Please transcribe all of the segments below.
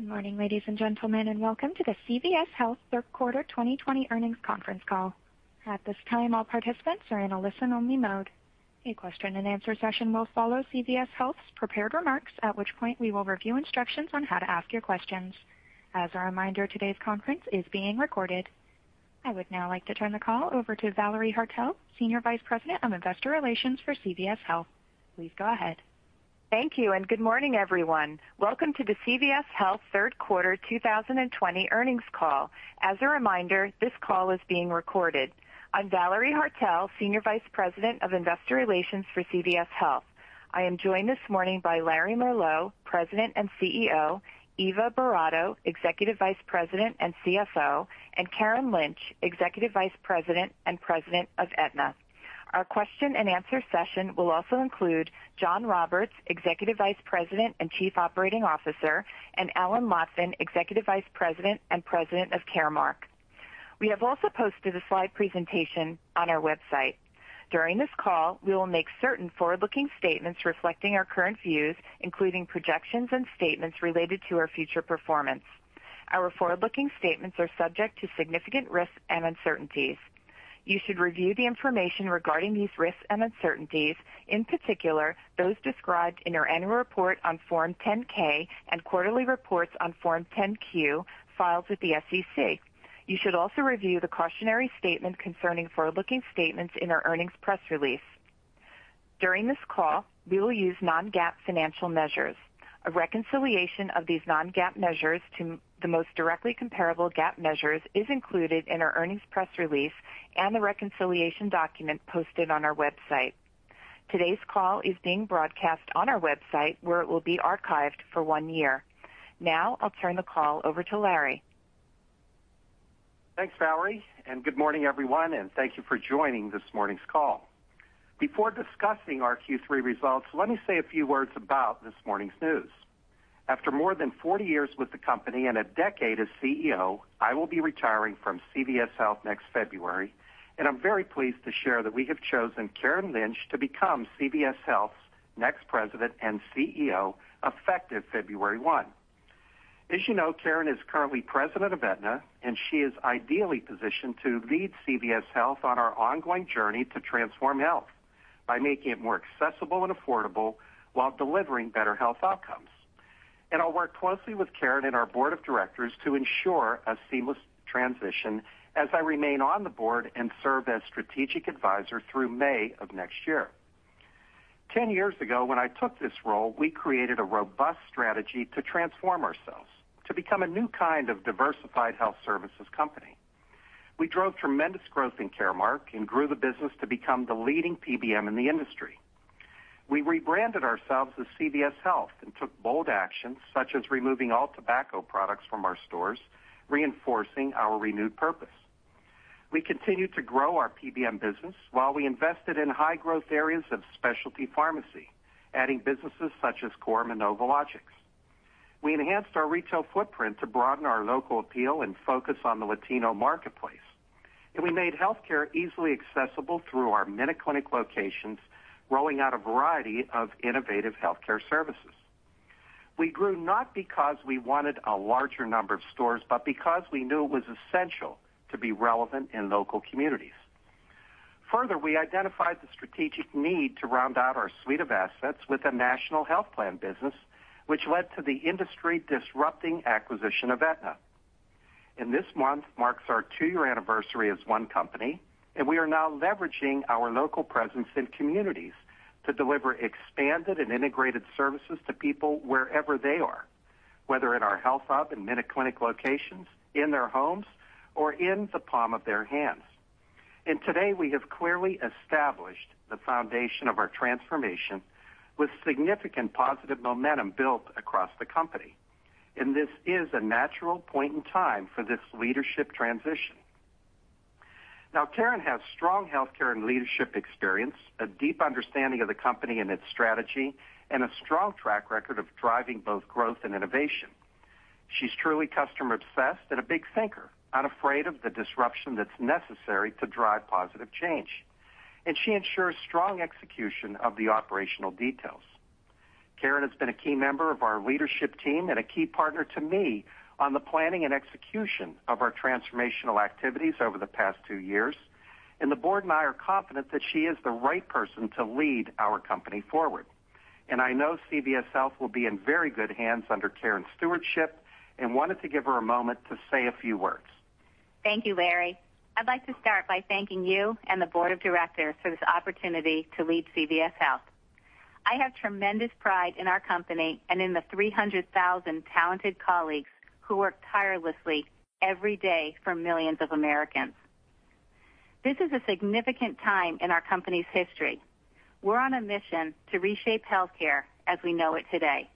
Good morning, ladies and gentlemen, and welcome to the CVS Health Q3 2020 earnings conference call. At this time, all participants are in a listen-only mode. A question and answer session will follow CVS Health's prepared remarks, at which point we will review instructions on how to ask your questions. As a reminder, today's conference is being recorded. I would now like to turn the call over to Valerie Haertel, Senior Vice President of Investor Relations for CVS Health. Please go ahead. Thank you and good morning, everyone. Welcome to the CVS Health Q3 2020 earnings call. As a reminder, this call is being recorded. I'm Valerie Haertel, Senior Vice President of Investor Relations for CVS Health. I am joined this morning by Larry Merlo, President and CEO, Eva Boratto, Executive Vice President and CFO, and Karen Lynch, Executive Vice President and President of Aetna. Our question and answer session will also include Jon Roberts, Executive Vice President and Chief Operating Officer, and Alan Lotvin, Executive Vice President and President of Caremark. We have also posted a slide presentation on our website. During this call, we will make certain forward-looking statements reflecting our current views, including projections and statements related to our future performance. Our forward-looking statements are subject to significant risks and uncertainties. You should review the information regarding these risks and uncertainties, in particular, those described in our annual report on Form 10-K and quarterly reports on Form 10-Q filed with the SEC. You should also review the cautionary statement concerning forward-looking statements in our earnings press release. During this call, we will use non-GAAP financial measures. A reconciliation of these non-GAAP measures to the most directly comparable GAAP measures is included in our earnings press release and the reconciliation document posted on our website. Today's call is being broadcast on our website, where it will be archived for one year. Now I'll turn the call over to Larry. Thanks, Valerie, and good morning, everyone, and thank you for joining this morning's call. Before discussing our Q3 results, let me say a few words about this morning's news. After more than 40 years with the company and a decade as CEO, I will be retiring from CVS Health next February, and I'm very pleased to share that we have chosen Karen Lynch to become CVS Health's next President and CEO, effective 1 February. As you know, Karen is currently President of Aetna, and she is ideally positioned to lead CVS Health on our ongoing journey to transform health by making it more accessible and affordable while delivering better health outcomes. I'll work closely with Karen and our Board of Directors to ensure a seamless transition as I remain on the board and serve as strategic advisor through May of next year. Ten years ago, when I took this role, we created a robust strategy to transform ourselves, to become a new kind of diversified health services company. We drove tremendous growth in Caremark and grew the business to become the leading PBM in the industry. We rebranded ourselves as CVS Health and took bold actions such as removing all tobacco products from our stores, reinforcing our renewed purpose. We continued to grow our PBM business while we invested in high-growth areas of specialty pharmacy, adding businesses such as Coram and NovoLogix. We enhanced our retail footprint to broaden our local appeal and focus on the Latino marketplace, and we made healthcare easily accessible through our MinuteClinic locations, rolling out a variety of innovative healthcare services. We grew not because we wanted a larger number of stores, but because we knew it was essential to be relevant in local communities. Further, we identified the strategic need to round out our suite of assets with a national health plan business, which led to the industry-disrupting acquisition of Aetna. This month marks our two-year anniversary as one company, and we are now leveraging our local presence in communities to deliver expanded and integrated services to people wherever they are, whether in our HealthHUB and MinuteClinic locations, in their homes, or in the palm of their hands. Today, we have clearly established the foundation of our transformation with significant positive momentum built across the company. This is a natural point in time for this leadership transition. Now, Karen has strong healthcare and leadership experience, a deep understanding of the company and its strategy, and a strong track record of driving both growth and innovation. She's truly customer-obsessed and a big thinker, unafraid of the disruption that's necessary to drive positive change. She ensures strong execution of the operational details. Karen has been a key member of our leadership team and a key partner to me on the planning and execution of our transformational activities over the past two years, and the board and I are confident that she is the right person to lead our company forward. I know CVS Health will be in very good hands under Karen's stewardship and wanted to give her a moment to say a few words. Thank you, Larry. I'd like to start by thanking you and the Board of Directors for this opportunity to lead CVS Health. I have tremendous pride in our company and in the 300,000 talented colleagues who work tirelessly every day for millions of Americans. This is a significant time in our company's history. We're on a mission to reshape healthcare as we know it today.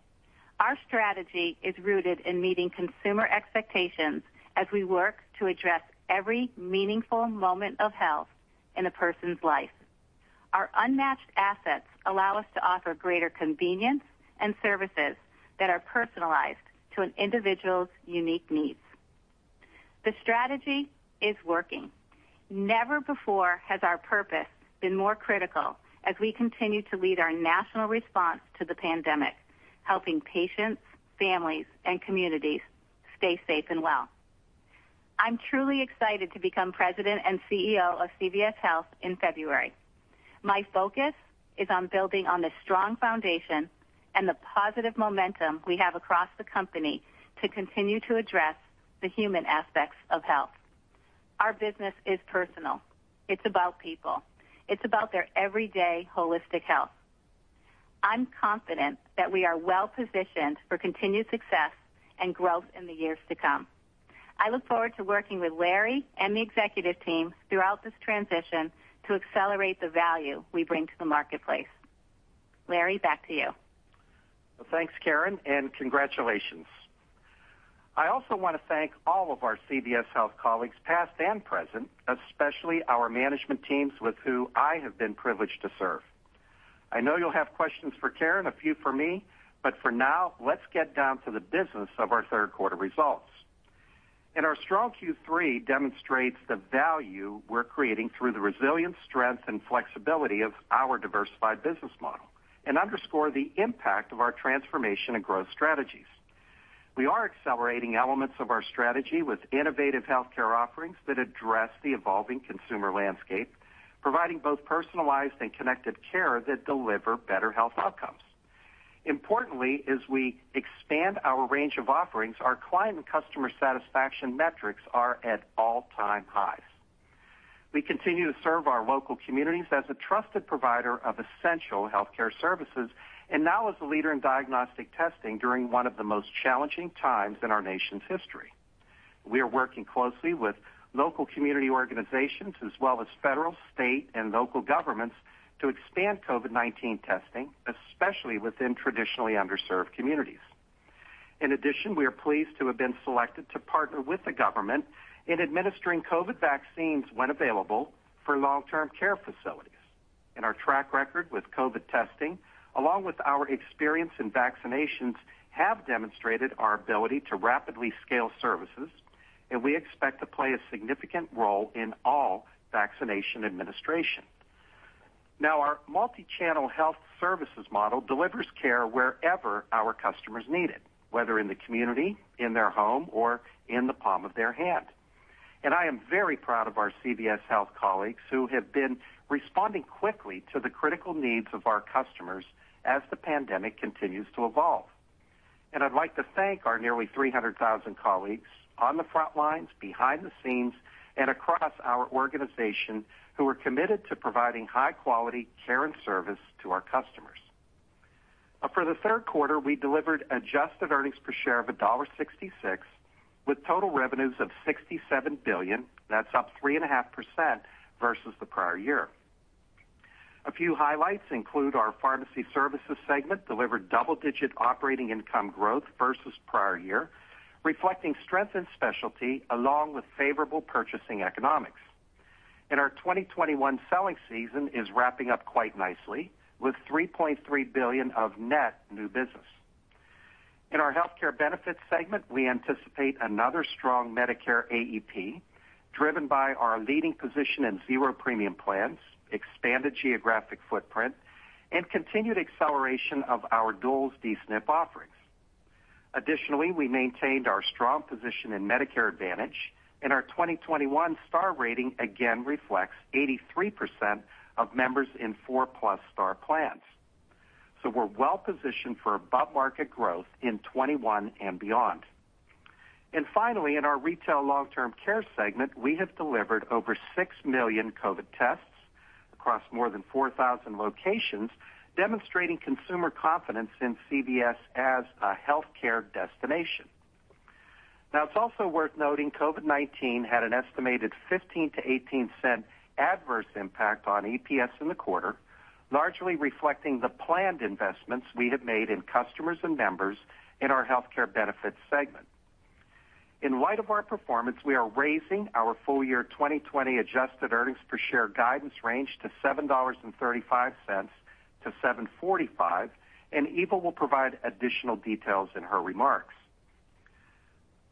Our strategy is rooted in meeting consumer expectations as we work to address every meaningful moment of health in a person's life. Our unmatched assets allow us to offer greater convenience and services that are personalized to an individual's unique needs. The strategy is working. Never before has our purpose been more critical as we continue to lead our national response to the pandemic, helping patients, families, and communities stay safe and well. I'm truly excited to become President and CEO of CVS Health in February. My focus is on building on the strong foundation and the positive momentum we have across the company to continue to address the human aspects of health. Our business is personal. It's about people. It's about their everyday holistic health. I'm confident that we are well-positioned for continued success and growth in the years to come. I look forward to working with Larry and the executive team throughout this transition to accelerate the value we bring to the marketplace. Larry, back to you. Well, thanks, Karen and congratulations. I also want to thank all of our CVS Health colleagues, past and present, especially our management teams with who I have been privileged to serve. I know you'll have questions for Karen, a few for me, but for now, let's get down to the business of our Q3 results. Our strong Q3 demonstrates the value we're creating through the resilience, strength, and flexibility of our diversified business model and underscore the impact of our transformation and growth strategies. We are accelerating elements of our strategy with innovative healthcare offerings that address the evolving consumer landscape, providing both personalized and connected care that deliver better health outcomes. Importantly, as we expand our range of offerings, our client and customer satisfaction metrics are at all-time highs. We continue to serve our local communities as a trusted provider of essential healthcare services, and now as a leader in diagnostic testing during one of the most challenging times in our nation's history. We are working closely with local community organizations, as well as federal, state, and local governments to expand COVID-19 testing, especially within traditionally underserved communities. In addition, we are pleased to have been selected to partner with the government in administering COVID-19 vaccines when available for long-term care facilities. Our track record with COVID-19 testing, along with our experience in vaccinations, have demonstrated our ability to rapidly scale services, and we expect to play a significant role in all vaccination administration. Now, our multi-channel health services model delivers care wherever our customers need it, whether in the community, in their home, or in the palm of their hand. I am very proud of our CVS Health colleagues who have been responding quickly to the critical needs of our customers as the pandemic continues to evolve. I'd like to thank our nearly 300,000 colleagues on the front lines, behind the scenes, and across our organization who are committed to providing high quality care and service to our customers. For the Q3, we delivered adjusted earnings per share of $1.66 with total revenues of $67 billion. That's up 3.5% versus the prior year. A few highlights include our pharmacy services segment delivered double-digit operating income growth versus prior year, reflecting strength in specialty, along with favorable purchasing economics. Our 2021 selling season is wrapping up quite nicely with $3.3 billion of net new business. In our Health Care Benefits segment, we anticipate another strong Medicare AEP driven by our leading position in zero premium plans, expanded geographic footprint, and continued acceleration of our dual D-SNP offerings. We maintained our strong position in Medicare Advantage, and our 2021 star rating again reflects 83% of members in 4-plus star plans. We're well-positioned for above-market growth in 2021 and beyond. Finally, in our retail long-term care segment, we have delivered over 6 million COVID-19 tests across more than 4,000 locations, demonstrating consumer confidence in CVS as a healthcare destination. It's also worth noting COVID-19 had an estimated $0.15-$0.18 adverse impact on EPS in the quarter, largely reflecting the planned investments we have made in customers and members in our Health Care Benefits segment. In light of our performance, we are raising our full year 2020 adjusted earnings per share guidance range to $7.35-$7.45, Eva will provide additional details in her remarks.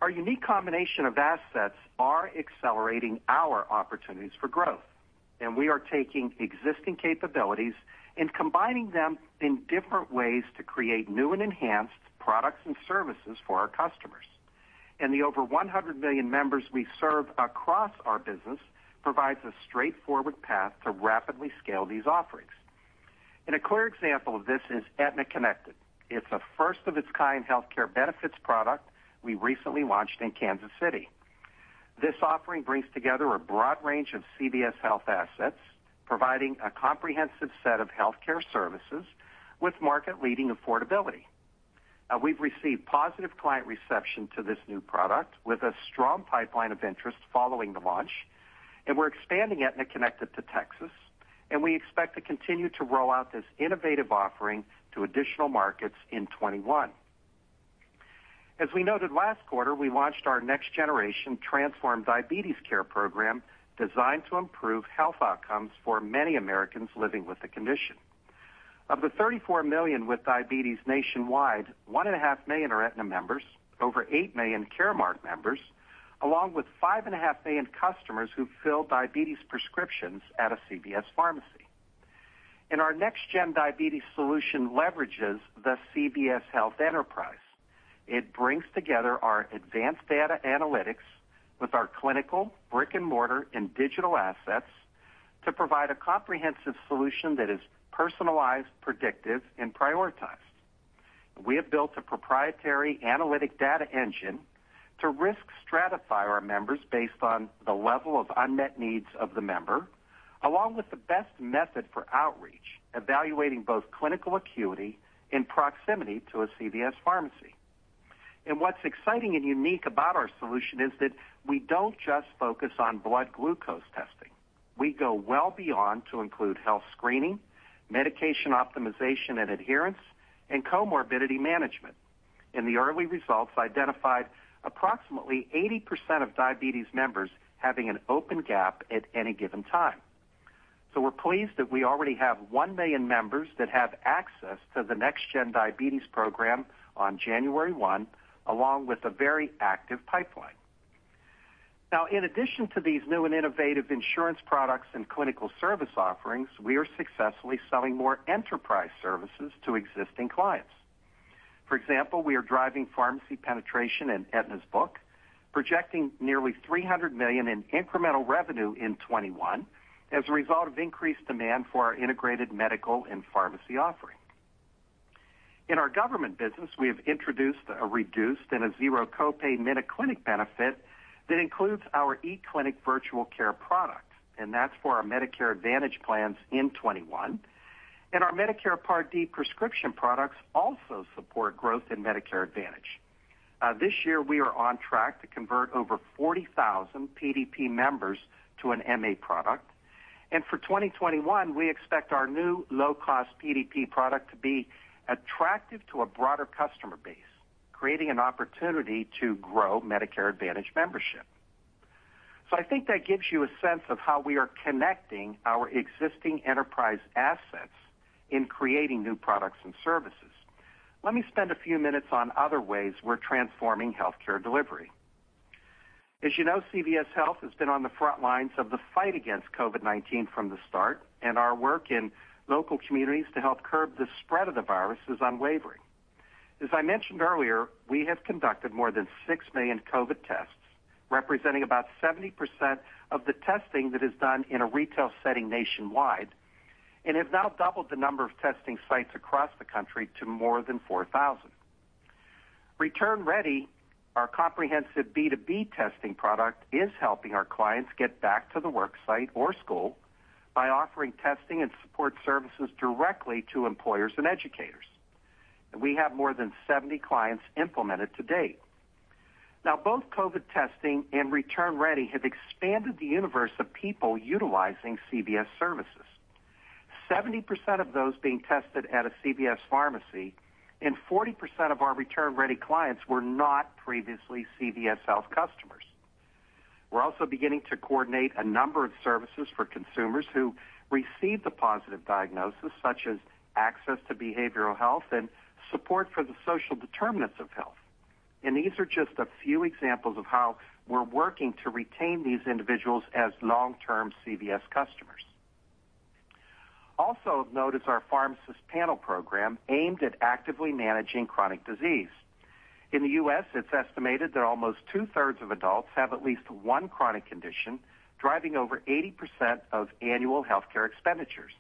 Our unique combination of assets are accelerating our opportunities for growth, we are taking existing capabilities and combining them in different ways to create new and enhanced products and services for our customers. The over 100 million members we serve across our business provides a straightforward path to rapidly scale these offerings. A clear example of this is Aetna Connected. It's a first-of-its-kind healthcare benefits product we recently launched in Kansas City. This offering brings together a broad range of CVS Health assets, providing a comprehensive set of healthcare services with market-leading affordability. We've received positive client reception to this new product with a strong pipeline of interest following the launch. We're expanding Aetna Connected to Texas. We expect to continue to roll out this innovative offering to additional markets in 2021. As we noted last quarter, we launched our next generation Transform Diabetes Care program designed to improve health outcomes for many Americans living with the condition. Of the 34 million with diabetes nationwide, 1.5 million are Aetna members, over 8 million Caremark members, along with 5.5 million customers who fill diabetes prescriptions at a CVS Pharmacy. Our nextgen diabetes solution leverages the CVS Health enterprise. It brings together our advanced data analytics with our clinical, brick-and-mortar, and digital assets to provide a comprehensive solution that is personalized, predictive, and prioritized. We have built a proprietary analytic data engine to risk stratify our members based on the level of unmet needs of the member, along with the best method for outreach, evaluating both clinical acuity and proximity to a CVS Pharmacy. What's exciting and unique about our solution is that we don't just focus on blood glucose testing. We go well beyond to include health screening, medication optimization and adherence, and comorbidity management. The early results identified approximately 80% of diabetes members having an open gap at any given time. We're pleased that we already have 1 million members that have access to the nextgen diabetes program on 1 January along with a very active pipeline. Now, in addition to these new and innovative insurance products and clinical service offerings, we are successfully selling more enterprise services to existing clients. For example, we are driving pharmacy penetration in Aetna's book, projecting nearly $300 million in incremental revenue in 2021 as a result of increased demand for our integrated medical and pharmacy offering. In our government business, we have introduced a reduced and a zero copay MinuteClinic benefit that includes our e-Clinic virtual care product. That's for our Medicare Advantage plans in 2021. Our Medicare Part D prescription products also support growth in Medicare Advantage. This year, we are on track to convert over 40,000 PDP members to an MA product. For 2021, we expect our new low-cost PDP product to be attractive to a broader customer base, creating an opportunity to grow Medicare Advantage membership. I think that gives you a sense of how we are connecting our existing enterprise assets in creating new products and services. Let me spend a few minutes on other ways we're transforming healthcare delivery. As you know, CVS Health has been on the front lines of the fight against COVID-19 from the start, and our work in local communities to help curb the spread of the virus is unwavering. As I mentioned earlier, we have conducted more than 6 million COVID tests, representing about 70% of the testing that is done in a retail setting nationwide, and have now doubled the number of testing sites across the country to more than 4,000. Return Ready, our comprehensive B2B testing product, is helping our clients get back to the work site or school by offering testing and support services directly to employers and educators. We have more than 70 clients implemented to date. Now, both COVID testing and Return Ready have expanded the universe of people utilizing CVS services. 70% of those being tested at a CVS Pharmacy and 40% of our Return Ready clients were not previously CVS Health customers. We're also beginning to coordinate a number of services for consumers who receive the positive diagnosis, such as access to behavioral health and support for the social determinants of health. These are just a few examples of how we're working to retain these individuals as long-term CVS customers. Also of note is our Pharmacist Panel program, aimed at actively managing chronic disease. In the U.S., it's estimated that almost 2/3 of adults have at least one chronic condition, driving over 80% of annual healthcare expenditures.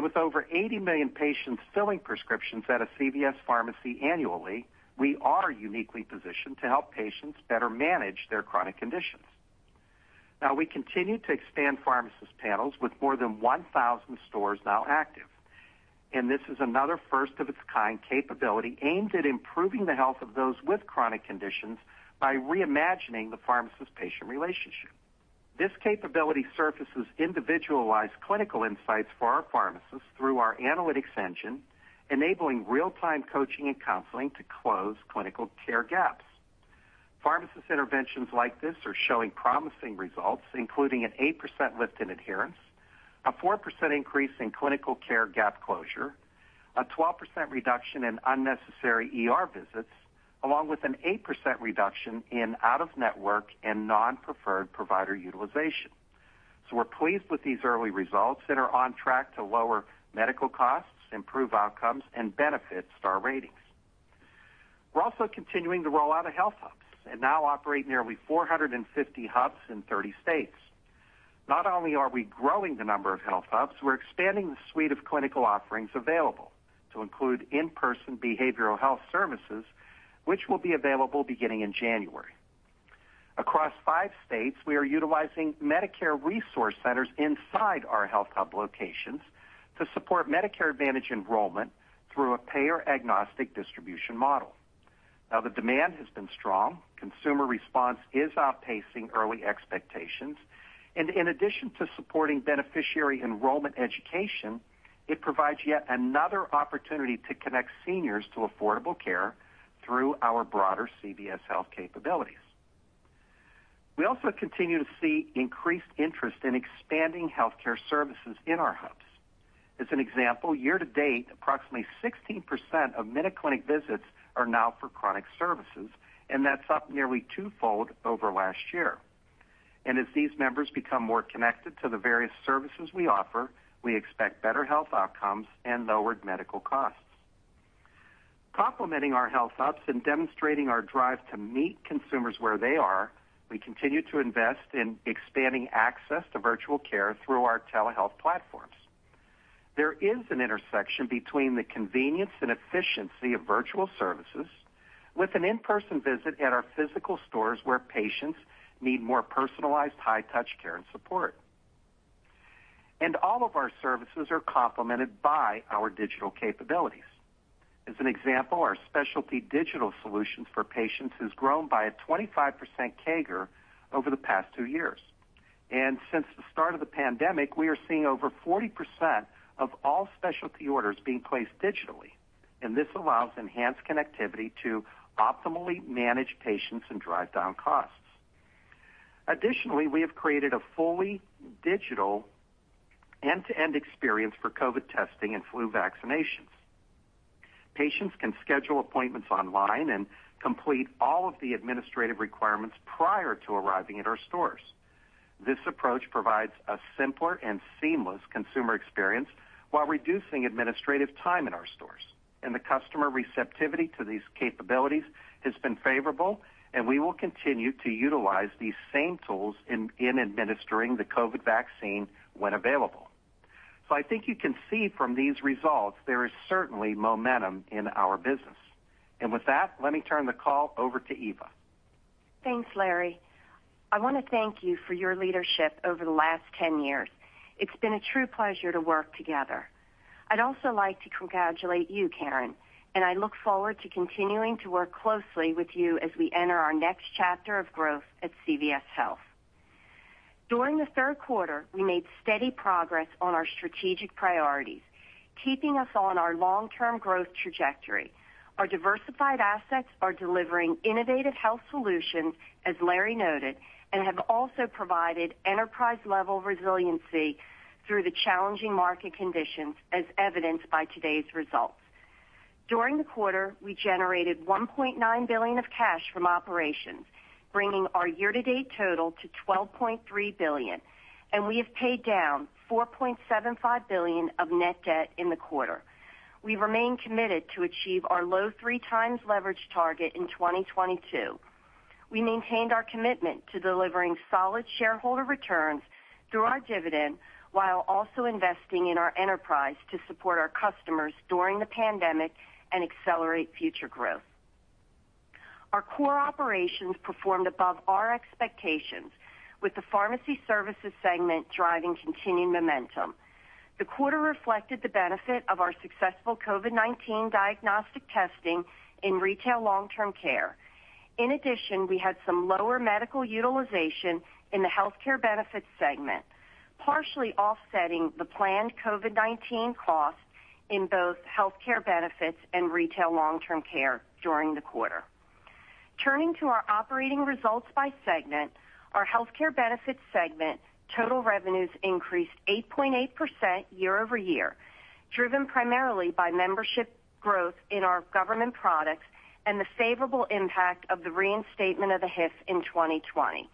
With over 80 million patients filling prescriptions at a CVS Pharmacy annually, we are uniquely positioned to help patients better manage their chronic conditions. Now, we continue to expand Pharmacist Panels with more than 1,000 stores now active. This is another first-of-its-kind capability aimed at improving the health of those with chronic conditions by reimagining the pharmacist-patient relationship. This capability surfaces individualized clinical insights for our pharmacists through our analytics engine, enabling real-time coaching and counseling to close clinical care gaps. Pharmacist interventions like this are showing promising results, including an 8% lift in adherence, a 4% increase in clinical care gap closure, a 12% reduction in unnecessary ER visits, along with an 8% reduction in out-of-network and non-preferred provider utilization. We're pleased with these early results and are on track to lower medical costs, improve outcomes, and benefit star ratings. We're also continuing the rollout of HealthHUBs and now operate nearly 450 HealthHUBs in 30 states. Not only are we growing the number of HealthHUBs, we're expanding the suite of clinical offerings available to include in-person behavioral health services, which will be available beginning in January. Across five states, we are utilizing Medicare resource centers inside our HealthHUB locations to support Medicare Advantage enrollment through a payer-agnostic distribution model. The demand has been strong. Consumer response is outpacing early expectations. In addition to supporting beneficiary enrollment education, it provides yet another opportunity to connect seniors to affordable care through our broader CVS Health capabilities. We also continue to see increased interest in expanding healthcare services in our HealthHUBs. As an example, year to date, approximately 16% of MinuteClinic visits are now for chronic services, and that's up nearly twofold over last year. As these members become more connected to the various services we offer, we expect better health outcomes and lowered medical costs. Complementing our HealthHUBs and demonstrating our drive to meet consumers where they are, we continue to invest in expanding access to virtual care through our telehealth platforms. There is an intersection between the convenience and efficiency of virtual services with an in-person visit at our physical stores where patients need more personalized high touch care and support. All of our services are complemented by our digital capabilities. As an example, our specialty digital solutions for patients has grown by a 25% CAGR over the past two years. Since the start of the pandemic, we are seeing over 40% of all specialty orders being placed digitally, and this allows enhanced connectivity to optimally manage patients and drive down costs. Additionally, we have created a fully digital end-to-end experience for COVID-19 testing and flu vaccinations. Patients can schedule appointments online and complete all of the administrative requirements prior to arriving at our stores. This approach provides a simpler and seamless consumer experience while reducing administrative time in our stores, and the customer receptivity to these capabilities has been favorable, and we will continue to utilize these same tools in administering the COVID-19 vaccine when available. I think you can see from these results, there is certainly momentum in our business. With that, let me turn the call over to Eva. Thanks, Larry. I want to thank you for your leadership over the last 10 years. It's been a true pleasure to work together. I'd also like to congratulate you, Karen, and I look forward to continuing to work closely with you as we enter our next chapter of growth at CVS Health. During the Q3, we made steady progress on our strategic priorities, keeping us on our long-term growth trajectory. Our diversified assets are delivering innovative health solutions, as Larry noted, and have also provided enterprise-level resiliency through the challenging market conditions as evidenced by today's results. During the quarter, we generated $1.9 billion of cash from operations, bringing our year-to-date total to $12.3 billion, and we have paid down $4.75 billion of net debt in the quarter. We remain committed to achieve our low three times leverage target in 2022. We maintained our commitment to delivering solid shareholder returns through our dividend while also investing in our enterprise to support our customers during the pandemic and accelerate future growth. Our core operations performed above our expectations with the pharmacy services segment driving continued momentum. The quarter reflected the benefit of our successful COVID-19 diagnostic testing in retail long-term care. In addition, we had some lower medical utilization in the Health Care Benefits segment, partially offsetting the planned COVID-19 costs in both Health Care Benefits and retail long-term care during the quarter. Turning to our operating results by segment, our Health Care Benefits segment total revenues increased 8.8% year-over-year, driven primarily by membership growth in our government products and the favorable impact of the reinstatement of the HIF in 2020.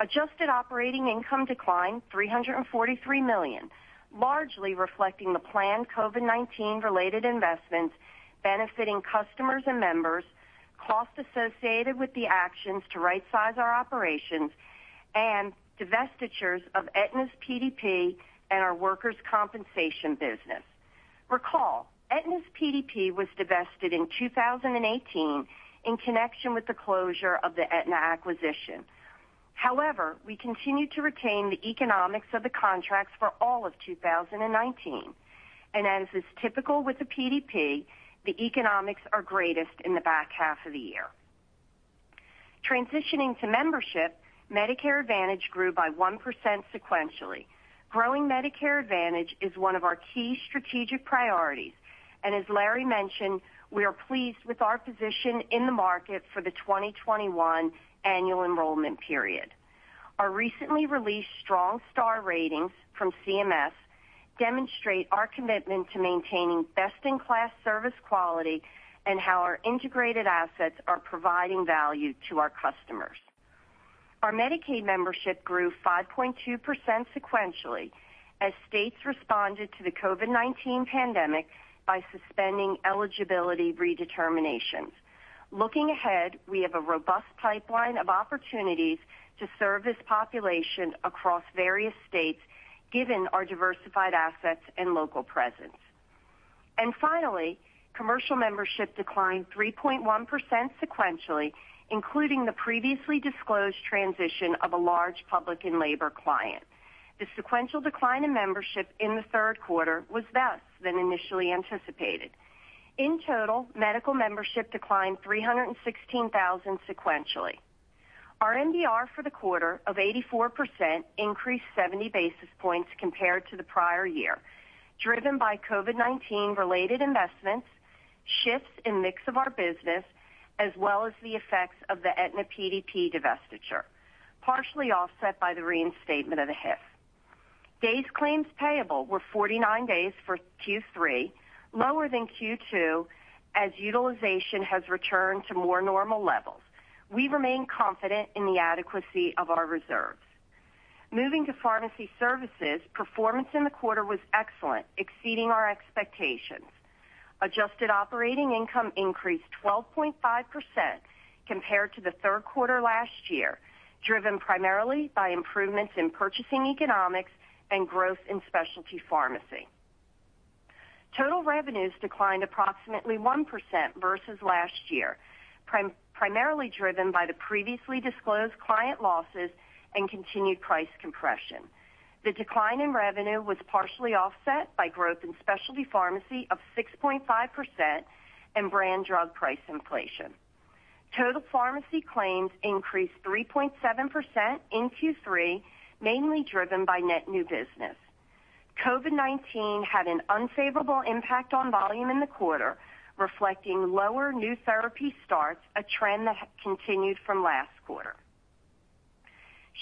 Adjusted operating income declined $343 million, largely reflecting the planned COVID-19 related investments benefiting customers and members, costs associated with the actions to right size our operations, and divestitures of Aetna's PDP and our workers' compensation business. Recall, Aetna's PDP was divested in 2018 in connection with the closure of the Aetna acquisition. However, we continued to retain the economics of the contracts for all of 2019. As is typical with the PDP, the economics are greatest in the back half of the year. Transitioning to membership, Medicare Advantage grew by 1% sequentially. Growing Medicare Advantage is one of our key strategic priorities, and as Larry mentioned, we are pleased with our position in the market for the 2021 annual enrollment period. Our recently released strong star ratings from CMS demonstrate our commitment to maintaining best-in-class service quality and how our integrated assets are providing value to our customers. Our Medicaid membership grew 5.2% sequentially as states responded to the COVID-19 pandemic by suspending eligibility redeterminations. Looking ahead, we have a robust pipeline of opportunities to serve this population across various states given our diversified assets and local presence. Finally, commercial membership declined 3.1% sequentially, including the previously disclosed transition of a large public and labor client. The sequential decline in membership in the Q3 was less than initially anticipated. In total, medical membership declined 316,000 sequentially. Our MBR for the quarter of 84% increased 70 basis points compared to the prior year, driven by COVID-19 related investments, shifts in mix of our business, as well as the effects of the Aetna PDP divestiture, partially offset by the reinstatement of the HIF. Days claims payable were 49 days for Q3, lower than Q2, as utilization has returned to more normal levels. We remain confident in the adequacy of our reserves. Moving to pharmacy services, performance in the quarter was excellent, exceeding our expectations. Adjusted operating income increased 12.5% compared to the Q3 last year, driven primarily by improvements in purchasing economics and growth in specialty pharmacy. Total revenues declined approximately 1% versus last year, primarily driven by the previously disclosed client losses and continued price compression. The decline in revenue was partially offset by growth in specialty pharmacy of 6.5% and brand drug price inflation. Total pharmacy claims increased 3.7% in Q3, mainly driven by net new business. COVID-19 had an unfavorable impact on volume in the quarter, reflecting lower new therapy starts, a trend that continued from last quarter.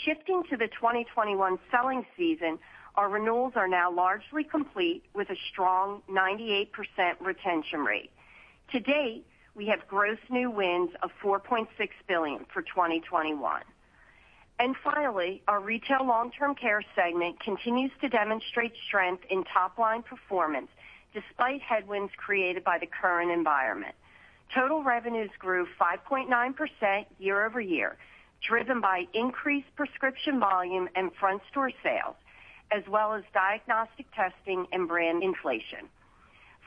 Shifting to the 2021 selling season, our renewals are now largely complete with a strong 98% retention rate. To date, we have gross new wins of $4.6 billion for 2021. Finally, our retail long-term care segment continues to demonstrate strength in top-line performance despite headwinds created by the current environment. Total revenues grew 5.9% year-over-year, driven by increased prescription volume and front-store sales, as well as diagnostic testing and brand inflation.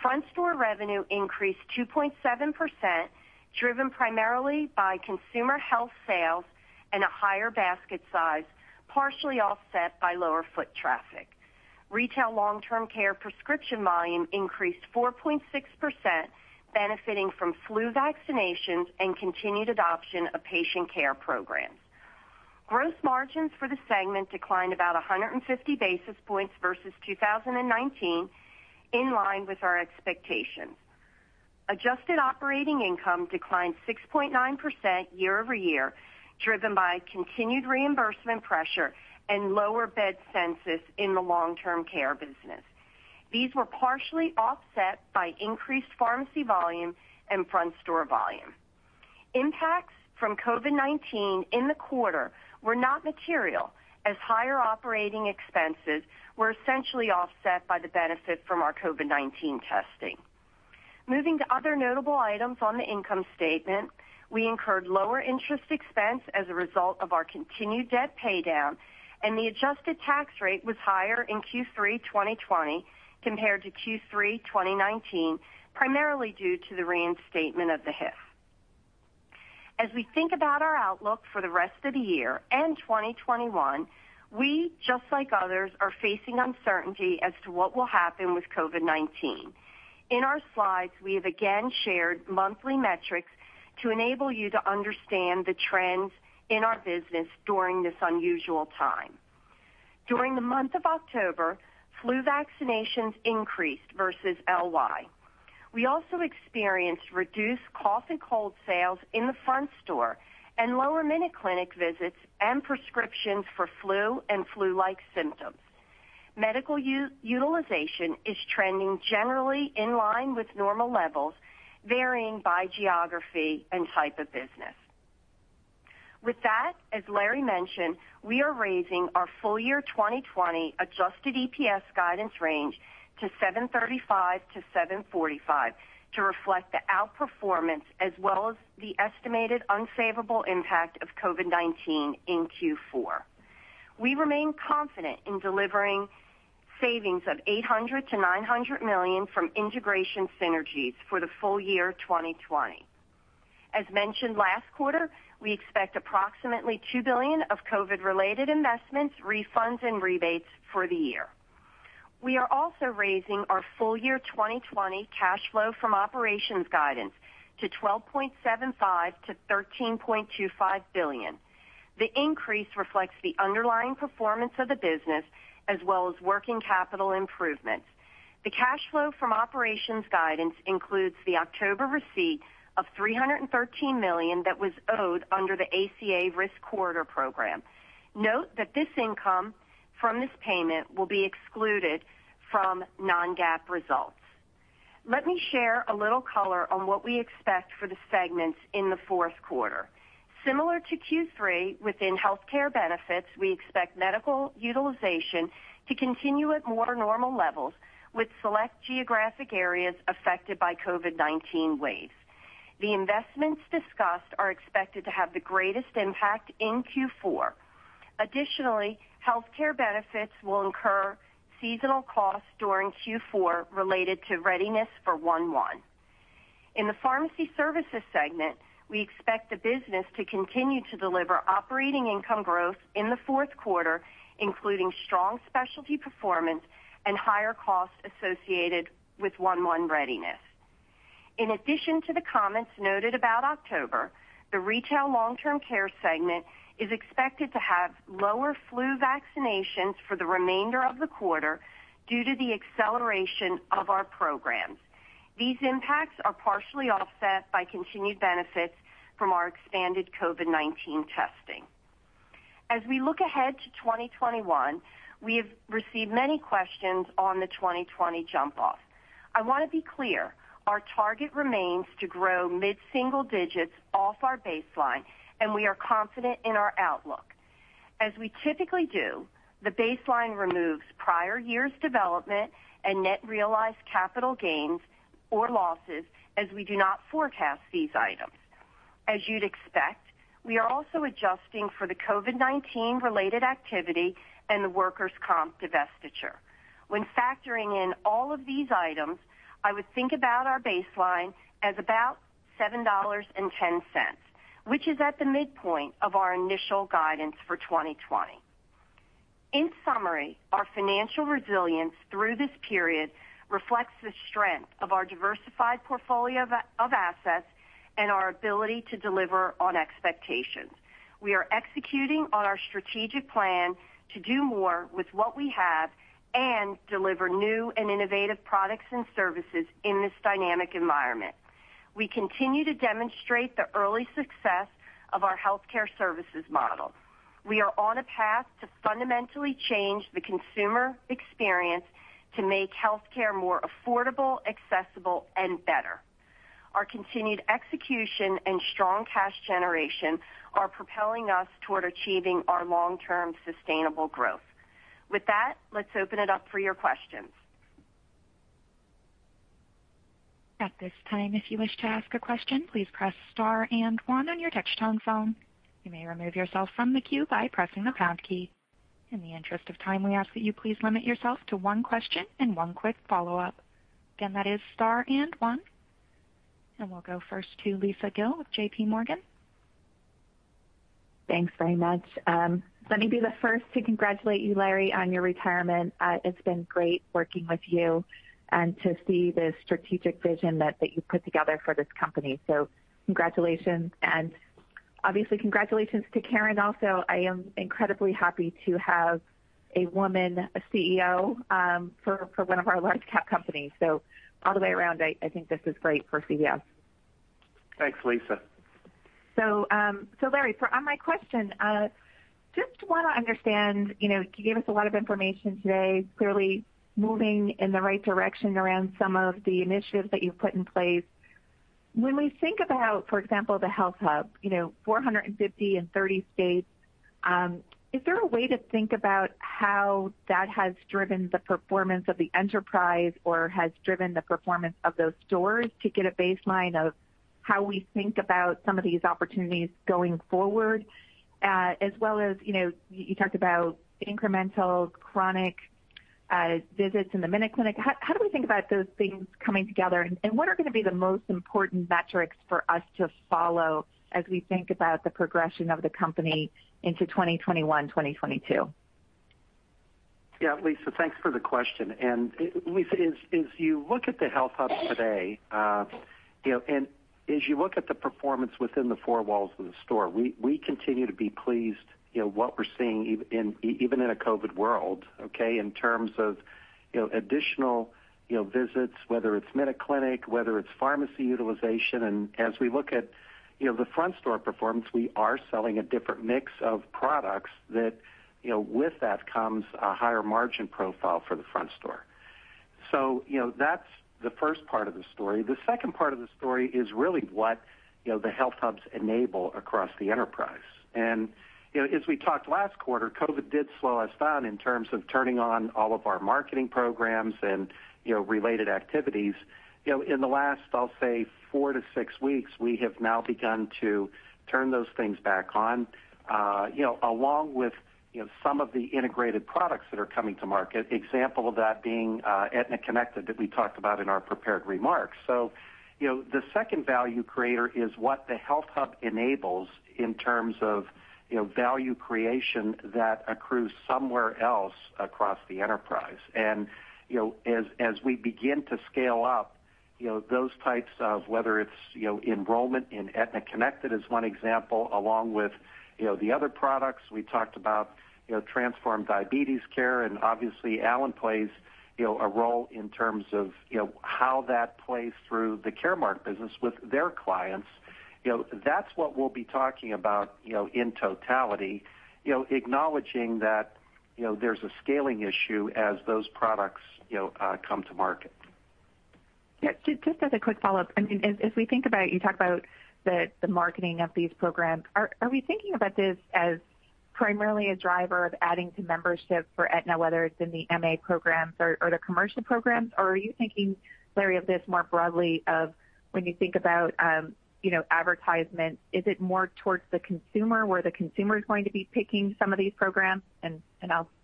Front store revenue increased 2.7%, driven primarily by consumer health sales and a higher basket size, partially offset by lower foot traffic. Retail long-term care prescription volume increased 4.6%, benefiting from flu vaccinations and continued adoption of patient care programs. Gross margins for the segment declined about 150 basis points versus 2019, in line with our expectations. Adjusted operating income declined 6.9% year-over-year, driven by continued reimbursement pressure and lower bed census in the long-term care business. These were partially offset by increased pharmacy volume and front store volume. Impacts from COVID-19 in the quarter were not material, as higher operating expenses were essentially offset by the benefit from our COVID-19 testing. Moving to other notable items on the income statement, we incurred lower interest expense as a result of our continued debt paydown, and the adjusted tax rate was higher in Q3 2020 compared to Q3 2019, primarily due to the reinstatement of the HIF. As we think about our outlook for the rest of the year and 2021, we, just like others, are facing uncertainty as to what will happen with COVID-19. In our slides, we have again shared monthly metrics to enable you to understand the trends in our business during this unusual time. During the month of October, flu vaccinations increased versus last year. We also experienced reduced cough and cold sales in the front store and lower MinuteClinic visits and prescriptions for flu and flu-like symptoms. Medical utilization is trending generally in line with normal levels, varying by geography and type of business. With that, as Larry mentioned, we are raising our full year 2020 adjusted EPS guidance range to $7.35-$7.45 to reflect the outperformance as well as the estimated unfavorable impact of COVID-19 in Q4. We remain confident in delivering savings of $800 million-$900 million from integration synergies for the full year 2020. As mentioned last quarter, we expect approximately $2 billion of COVID-related investments, refunds, and rebates for the year. We are also raising our full year 2020 cash flow from operations guidance to $12.75 billion-$13.25 billion. The increase reflects the underlying performance of the business as well as working capital improvements. The cash flow from operations guidance includes the October receipt of $313 million that was owed under the ACA Risk Corridor Program. Note that this income from this payment will be excluded from non-GAAP results. Let me share a little color on what we expect for the segments in the Q4. Similar to Q3, within Health Care Benefits, we expect medical utilization to continue at more normal levels with select geographic areas affected by COVID-19 waves. The investments discussed are expected to have the greatest impact in Q4. Health Care Benefits will incur seasonal costs during Q4 related to readiness for 1/1. In the Pharmacy Services segment, we expect the business to continue to deliver operating income growth in the Q4, including strong specialty performance and higher costs associated with 1/1 readiness. In addition to the comments noted about October, the retail long-term care segment is expected to have lower flu vaccinations for the remainder of the quarter due to the acceleration of our programs. These impacts are partially offset by continued benefits from our expanded COVID-19 testing. As we look ahead to 2021, we have received many questions on the 2020 jump off. I want to be clear, our target remains to grow mid-single digits off our baseline, and we are confident in our outlook. As we typically do, the baseline removes prior years' development and net realized capital gains or losses as we do not forecast these items. As you'd expect, we are also adjusting for the COVID-19 related activity and the workers' comp divestiture. When factoring in all of these items, I would think about our baseline as about $7.10, which is at the midpoint of our initial guidance for 2020. In summary, our financial resilience through this period reflects the strength of our diversified portfolio of assets and our ability to deliver on expectations. We are executing on our strategic plan to do more with what we have and deliver new and innovative products and services in this dynamic environment. We continue to demonstrate the early success of our healthcare services model. We are on a path to fundamentally change the consumer experience to make healthcare more affordable, accessible, and better. Our continued execution and strong cash generation are propelling us toward achieving our long-term sustainable growth. With that, let's open it up for your questions. We'll go first to Lisa Gill with J.P. Morgan. Thanks very much. Let me be the first to congratulate you, Larry, on your retirement. It's been great working with you and to see the strategic vision that you've put together for this company so, congratulations, and obviously congratulations to Karen also i am incredibly happy to have a woman CEO for one of our large cap companies. All the way around, I think this is great for CVS. Thanks, Lisa. Larry, on my question, just want to understand, you gave us a lot of information today, clearly moving in the right direction around some of the initiatives that you've put in place. When we think about, for example, the HealthHUB, 450 in 30 states, is there a way to think about how that has driven the performance of the enterprise or has driven the performance of those stores? to get a baseline of how we think about some of these opportunities going forward? As well as, you talked about incremental chronic visits in the MinuteClinic how do we think about those things coming together? and what are going to be the most important metrics for us to follow as we think about the progression of the company into 2021, 2022? Yeah, Lisa, thanks for the question. Lisa, as you look at the HealthHUB today, as you look at the performance within the four walls of the store, we continue to be pleased what we're seeing even in a COVID world, okay? In terms of additional visits, whether it's MinuteClinic, whether it's pharmacy utilization as we look at the front store performance, we are selling a different mix of products that with that comes a higher margin profile for the front store. That's the first part of the story the second part of the story is really what the HealthHUBs enable across the enterprise. As we talked last quarter, COVID did slow us down in terms of turning on all of our marketing programs and related activities. In the last, I'll say four to six weeks, we have now begun to turn those things back on. Along with some of the integrated products that are coming to market, example of that being Aetna Connected that we talked about in our prepared remarks. The second value creator is what the HealthHUB enables in terms of value creation that accrues somewhere else across the enterprise. As we begin to scale up those types of, whether it's enrollment in Aetna Connected as one example, along with the other products we talked about, Transform Diabetes Care and obviously, Alan plays a role in terms of how that plays through the Caremark business with their clients. That's what we'll be talking about in totality, acknowledging that there's a scaling issue as those products come to market. Just as a quick follow-up, you talk about the marketing of these programs. Are we thinking about this as primarily a driver of adding to membership for Aetna, whether it's in the MA programs? or the commercial programs? Are you thinking, Larry, of this more broadly of when you think about advertisement, is it more towards the consumer where the consumer's going to be picking some of these programs?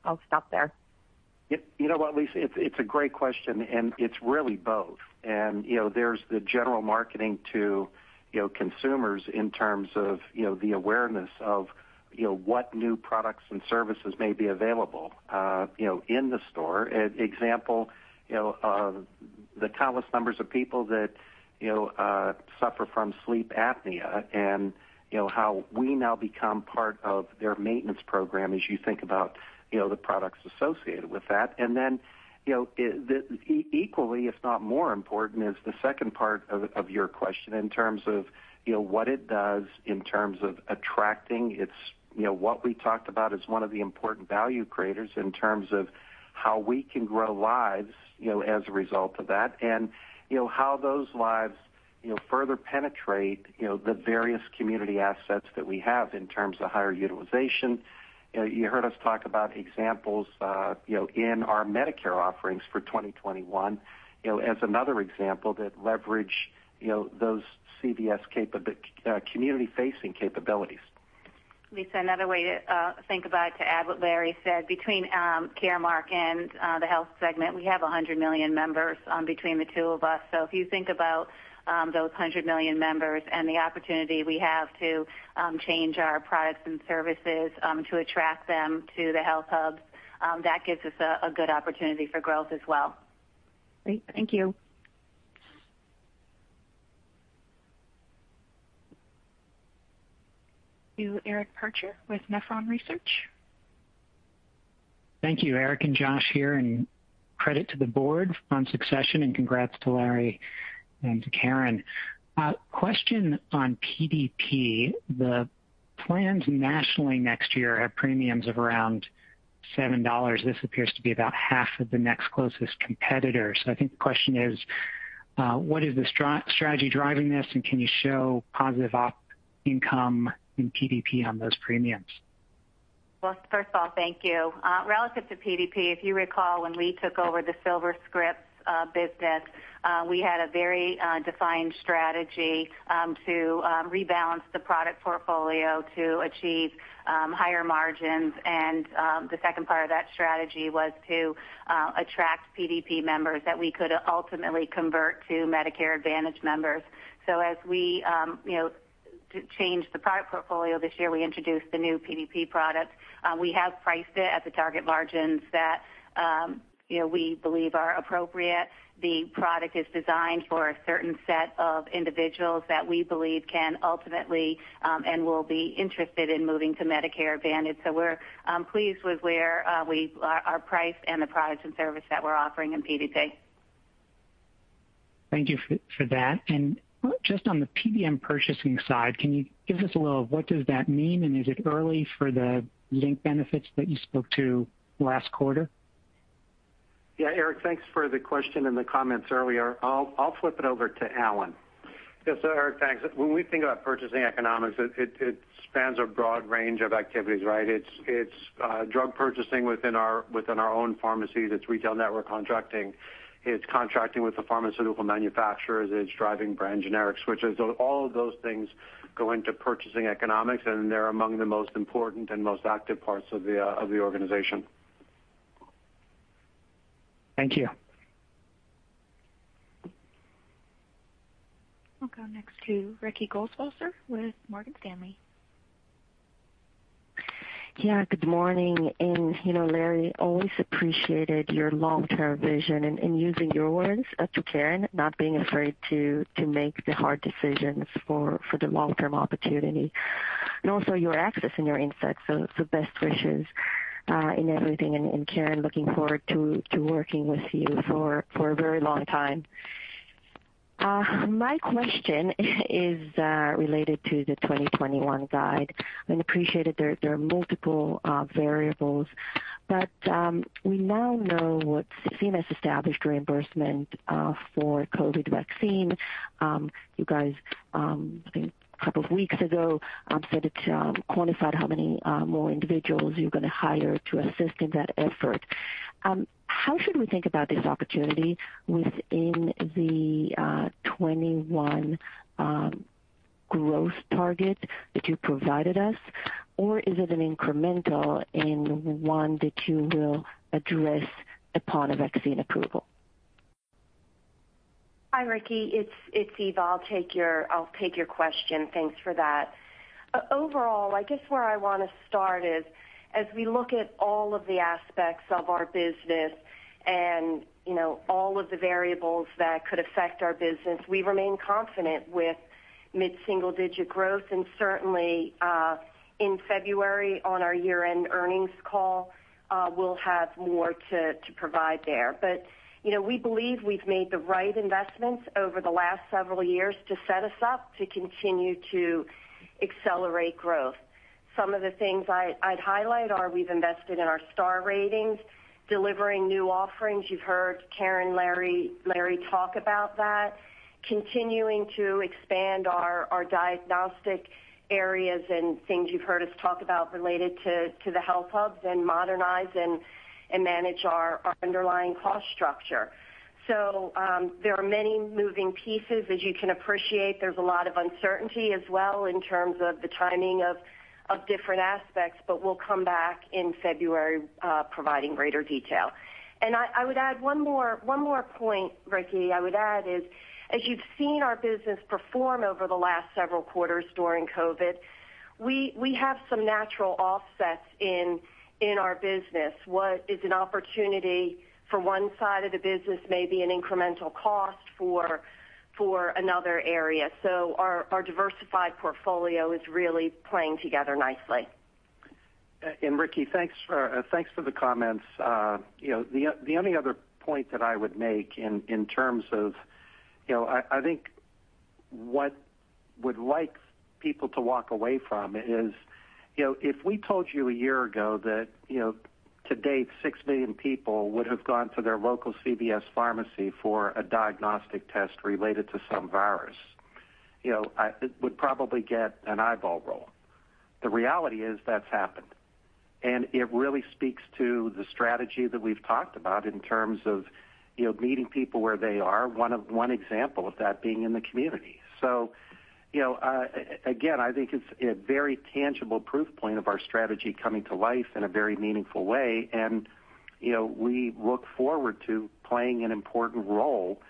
I'll stop there. You know what, Lisa? It's a great question. It's really both. And, you know there's the general marketing to consumers in terms of the awareness of what new products and services may be available in the store and example, the countless numbers of people that suffer from sleep apnea, and how we now become part of their maintenance program as you think about the products associated with that. Equally, if not more important, is the second part of your question in terms of what it does in terms of attracting. What we talked about is one of the important value creators in terms of how we can grow lives, as a result of that, and how those lives further penetrate the various community assets that we have in terms of higher utilization. You heard us talk about examples, in our Medicare offerings for 2021, as another example that leverage those CVS community-facing capabilities. Lisa, another way to think about, to add what Larry said, between Caremark and the health segment, we have 100 million members between the two of us so if you think about those 100 million members and the opportunity we have to change our products and services to attract them to the HealthHUBs, that gives us a good opportunity for growth as well. Great. Thank you. To Eric Percher with Nephron Research. Thank you, Eric and Josh here, and credit to the board on succession and congrats to Larry and to Karen. Question on PDP the plans nationally next year have premiums of around $7 this appears to be about half of the next closest competitor so i think the question is, what is the strategy driving this, and can you show positive op income in PDP on those premiums? Well, first of all, thank you. Relative to PDP, if you recall, when we took over the SilverScript business, we had a very defined strategy to rebalance the product portfolio to achieve higher margins, and the second part of that strategy was to attract PDP members that we could ultimately convert to Medicare Advantage members. As we changed the product portfolio this year, we introduced the new PDP product. We have priced it at the target margins that we believe are appropriate. The product is designed for a certain set of individuals that we believe can ultimately, and will be interested in moving to Medicare Advantage so we're pleased with our price and the products and service that we're offering in PDP. Thank you for that. Just on the PBM purchasing side, can you give us a little of what does that mean? Is it early for the link benefits that you spoke to last quarter? Yeah, Eric, thanks for the question and the comments earlier. I'll flip it over to Alan. Yes, sir, Eric, thanks when we think about purchasing economics, it spans a broad range of activities, right? It's drug purchasing within our own pharmacies it's retail network contracting. It's contracting with the pharmaceutical manufacturers. It's driving brand generic switches all of those things go into purchasing economics, and they're among the most important and most active parts of the organization. Thank you. We'll go next to Ricky Goldwasser with Morgan Stanley. Good morning, Larry, always appreciated your long-term vision and in using your words to Karen, not being afraid to make the hard decisions for the long-term opportunity. Also your access and your insights, best wishes in everything and Karen, looking forward to working with you for a very long time. My question is related to the 2021 guide, appreciated there are multiple variables. We now know what CMS established reimbursement for COVID vaccine. You guys, I think a couple of weeks ago, said it quantified how many more individuals you're going to hire to assist in that effort. How should we think about this opportunity within the 2021 growth target that you provided us? Is it an incremental and one that you will address upon a vaccine approval? Hi, Ricky. It's Eva i'll take your question thanks for that. Overall, I guess where I want to start is, as we look at all of the aspects of our business and all of the variables that could affect our business, we remain confident with mid-single-digit growth, and certainly, in February on our year-end earnings call, we'll have more to provide there. We believe we've made the right investments over the last several years to set us up to continue to accelerate growth. Some of the things I'd highlight are we've invested in our star ratings, delivering new offerings you've heard Karen, Larry talk about that. Continuing to expand our diagnostic areas and things you've heard us talk about related to the HealthHUBs and modernize and manage our underlying cost structure. There are many moving pieces as you can appreciate, there's a lot of uncertainty as well in terms of the timing of different aspects, but we'll come back in February, providing greater detail. I would add one more point, Ricky i would add is, as you've seen our business perform over the last several quarters during COVID. We have some natural offsets in our business what is an opportunity for one side of the business may be an incremental cost for another area so our diversified portfolio is really playing together nicely. Ricky, thanks for the comments. The only other point that I would make in terms of, I think what we'd like people to walk away from is, if we told you a year ago that to date, six million people would have gone to their local CVS Pharmacy for a diagnostic test related to some virus, it would probably get an eyeball roll. The reality is that's happened, and it really speaks to the strategy that we've talked about in terms of meeting people where they are, one example of that being in the community. Again, I think it's a very tangible proof point of our strategy coming to life in a very meaningful way, and we look forward to playing an important role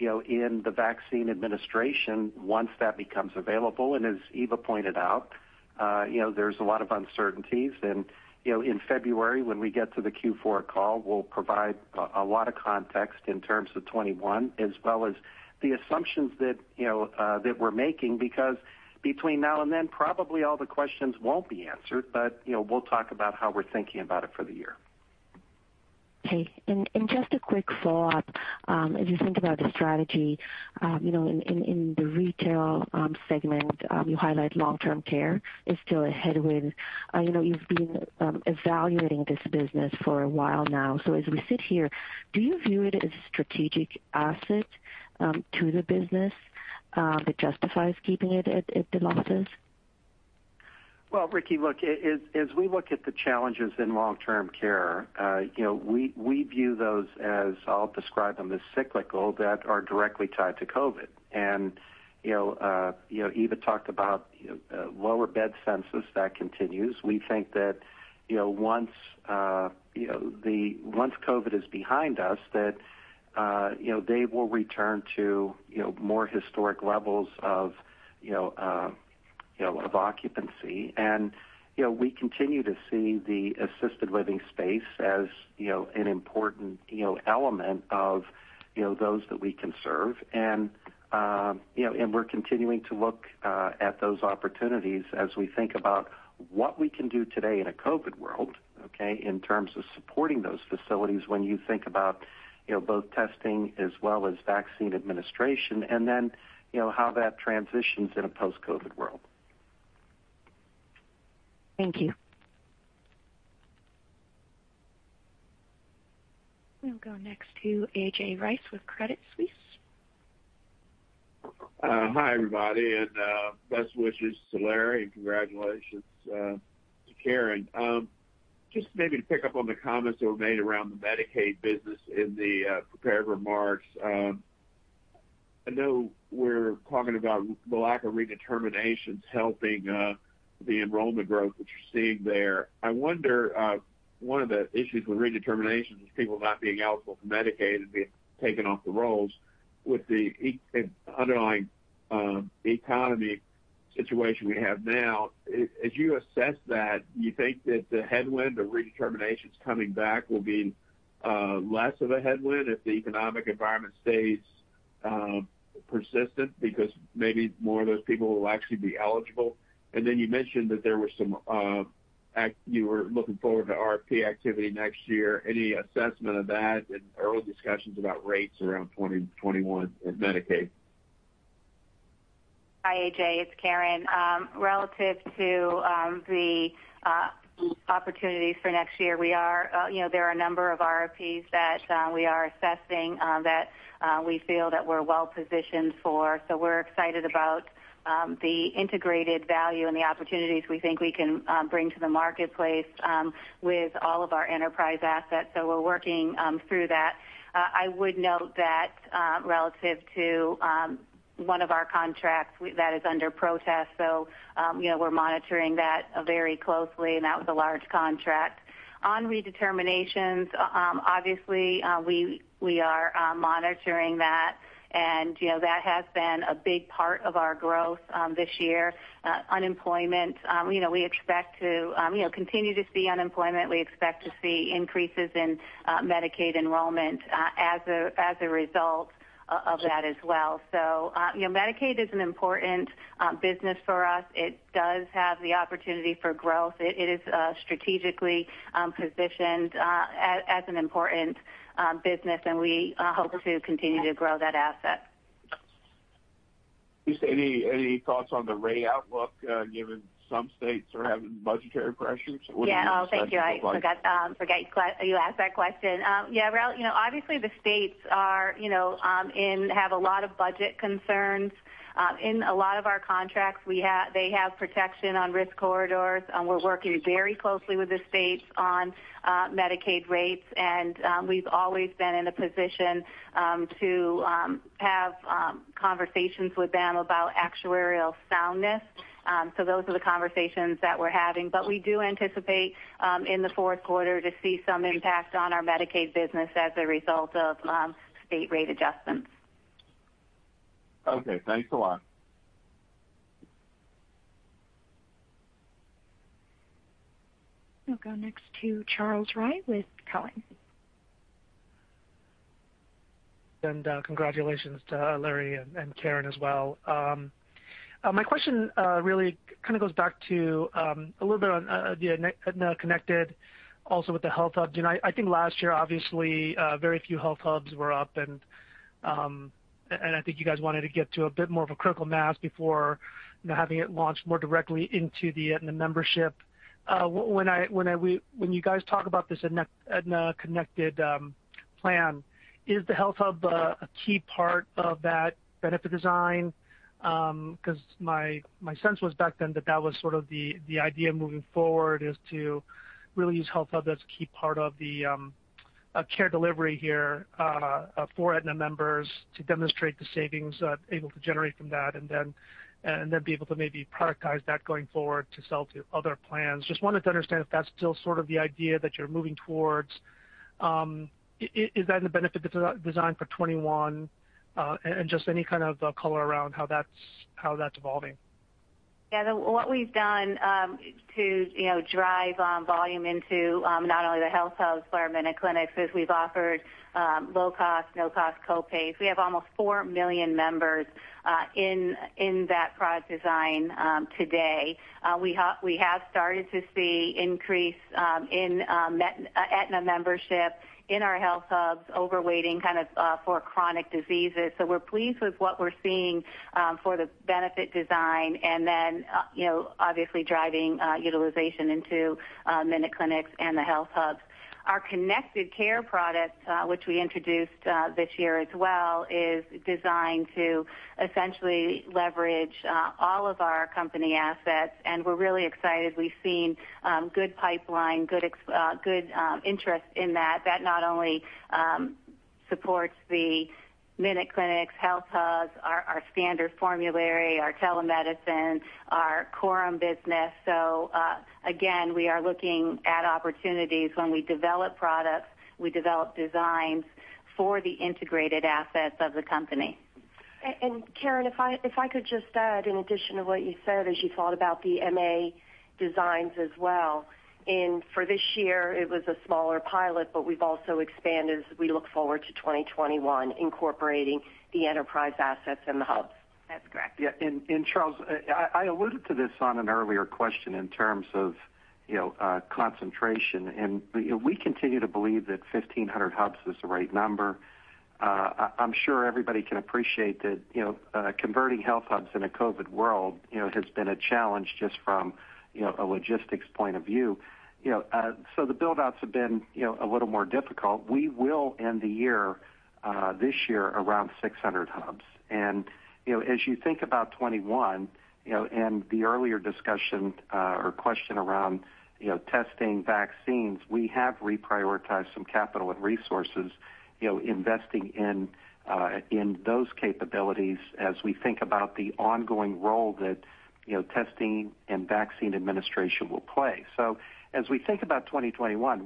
in the vaccine administration once that becomes available as Eva pointed out, there's a lot of uncertainties, and in February, when we get to the Q4 call, we'll provide a lot of context in terms of 2021 as well as the assumptions that we're making, because between now and then, probably all the questions won't be answered but we'll talk about how we're thinking about it for the year. Okay. Just a quick thought. As you think about the strategy, in the retail segment, you highlight long-term care is still a headwind. You've been evaluating this business for a while now as we sit here, do you view it as a strategic asset? to the business that justifies keeping it at the losses? Well, Ricky, look, as we look at the challenges in long-term care, we view those as, I'll describe them as cyclical, that are directly tied to COVID-19. Eva talked about lower bed census that continues we think that once COVID-19 is behind us, that they will return to more historic levels of occupancy. We continue to see the assisted living space as an important element of those that we can serve. We're continuing to look at those opportunities as we think about what we can do today in a COVID-19 world, okay, in terms of supporting those facilities when you think about both testing as well as vaccine administration, then how that transitions in a post-COVID-19 world. Thank you. We'll go next to A.J. Rice with Credit Suisse. Hi, everybody, and best wishes to Larry, and congratulations to Karen. Just maybe to pick up on the comments that were made around the Medicaid business in the prepared remarks. I know we're talking about the lack of redeterminations helping the enrollment growth that you're seeing there i wonder, one of the issues with redeterminations is people not being eligible for Medicaid and being taken off the rolls. With the underlying economy situation we have now, as you assess that, do you think that the headwind of redeterminations coming back will be less of a headwind if the economic environment stays persistent because maybe more of those people will actually be eligible? Then you mentioned that you were looking forward to RFP activity next year, any assessment of that and early discussions about rates around 2021 in Medicaid? Hi, A.J., it's Karen. Relative to the opportunities for next year, there are a number of RFPs that we are assessing that we feel that we're well-positioned for so we're excited about the integrated value and the opportunities we think we can bring to the marketplace with all of our enterprise assets we're working through that. I would note that relative to one of our contracts, that is under protest. We're monitoring that very closely, and that was a large contract. On redeterminations, obviously, we are monitoring that, and that has been a big part of our growth this year. Unemployment, we expect to continue to see unemployment we expect to see increases in Medicaid enrollment as a result of that as well. Medicaid is an important business for us it does have the opportunity for growth, it is strategically positioned as an important business, and we hope to continue to grow that asset. Just any thoughts on the rate outlook given some states are having budgetary pressures? What are your assessments look like? Yeah. Thank you i forgot you asked that question. Yeah, obviously, the states have a lot of budget concerns. In a lot of our contracts, they have protection on risk corridors. We're working very closely with the states on Medicaid rates, and we've always been in a position to have conversations with them about actuarial soundness. Those are the conversations that we're having we do anticipate, in the Q4, to see some impact on our Medicaid business as a result of state rate adjustments. Okay, thanks a lot. We'll go next to Charles Rhyee with TD Cowen. Congratulations to Larry and Karen as well. My question really goes back to a little bit on the Aetna Connected, also with the HealthHUB i think last year, obviously, very few HealthHUBs were up, and I think you guys wanted to get to a bit more of a critical mass before having it launched more directly into the Aetna membership. When you guys talk about this Aetna Connected plan, is the HealthHUB a key part of that benefit design? Because my sense was back then that was sort of the idea moving forward, is to really use HealthHUB as a key part of the care delivery here for Aetna members to demonstrate the savings able to generate from that, and then be able to maybe prioritize that going forward to sell to other plans. Just wanted to understand if that's still sort of the idea that you're moving towards. Is that in the benefit design for 2021? Just any kind of color around how that's evolving. What we've done to drive volume into not only the HealthHUBs but our MinuteClinics, is we've offered low-cost, no-cost co-pays we have almost four million members in that product design today. We have started to see increase in Aetna membership in our HealthHUBs, overweighting kind of for chronic diseases we're pleased with what we're seeing for the benefit design and then obviously driving utilization into MinuteClinics and the HealthHUBs. Our connected care product, which we introduced this year as well, is designed to essentially leverage all of our company assets, and we're really excited we've seen good pipeline, good interest in that, that not only supports the MinuteClinics, HealthHUBs, our standard formulary, our telemedicine, our Coram business. Again, we are looking at opportunities when we develop products, we develop designs for the integrated assets of the company. Karen, if I could just add, in addition to what you said, as you thought about the MA designs as well, for this year, it was a smaller pilot, but we've also expanded as we look forward to 2021, incorporating the enterprise assets in the hubs. That's correct. Yeah. Charles, I alluded to this on an earlier question in terms of concentration, and we continue to believe that 1,500 HealthHUBs is the right number. I'm sure everybody can appreciate that converting HealthHUBs in a COVID-19 world has been a challenge just from a logistics point of view. The build-outs have been a little more difficult, we will end the year, this year, around 600 HealthHUBs. As you think about 2021, and the earlier discussion or question around testing vaccines, we have reprioritized some capital and resources, investing in those capabilities as we think about the ongoing role that testing and vaccine administration will play. As we think about 2021,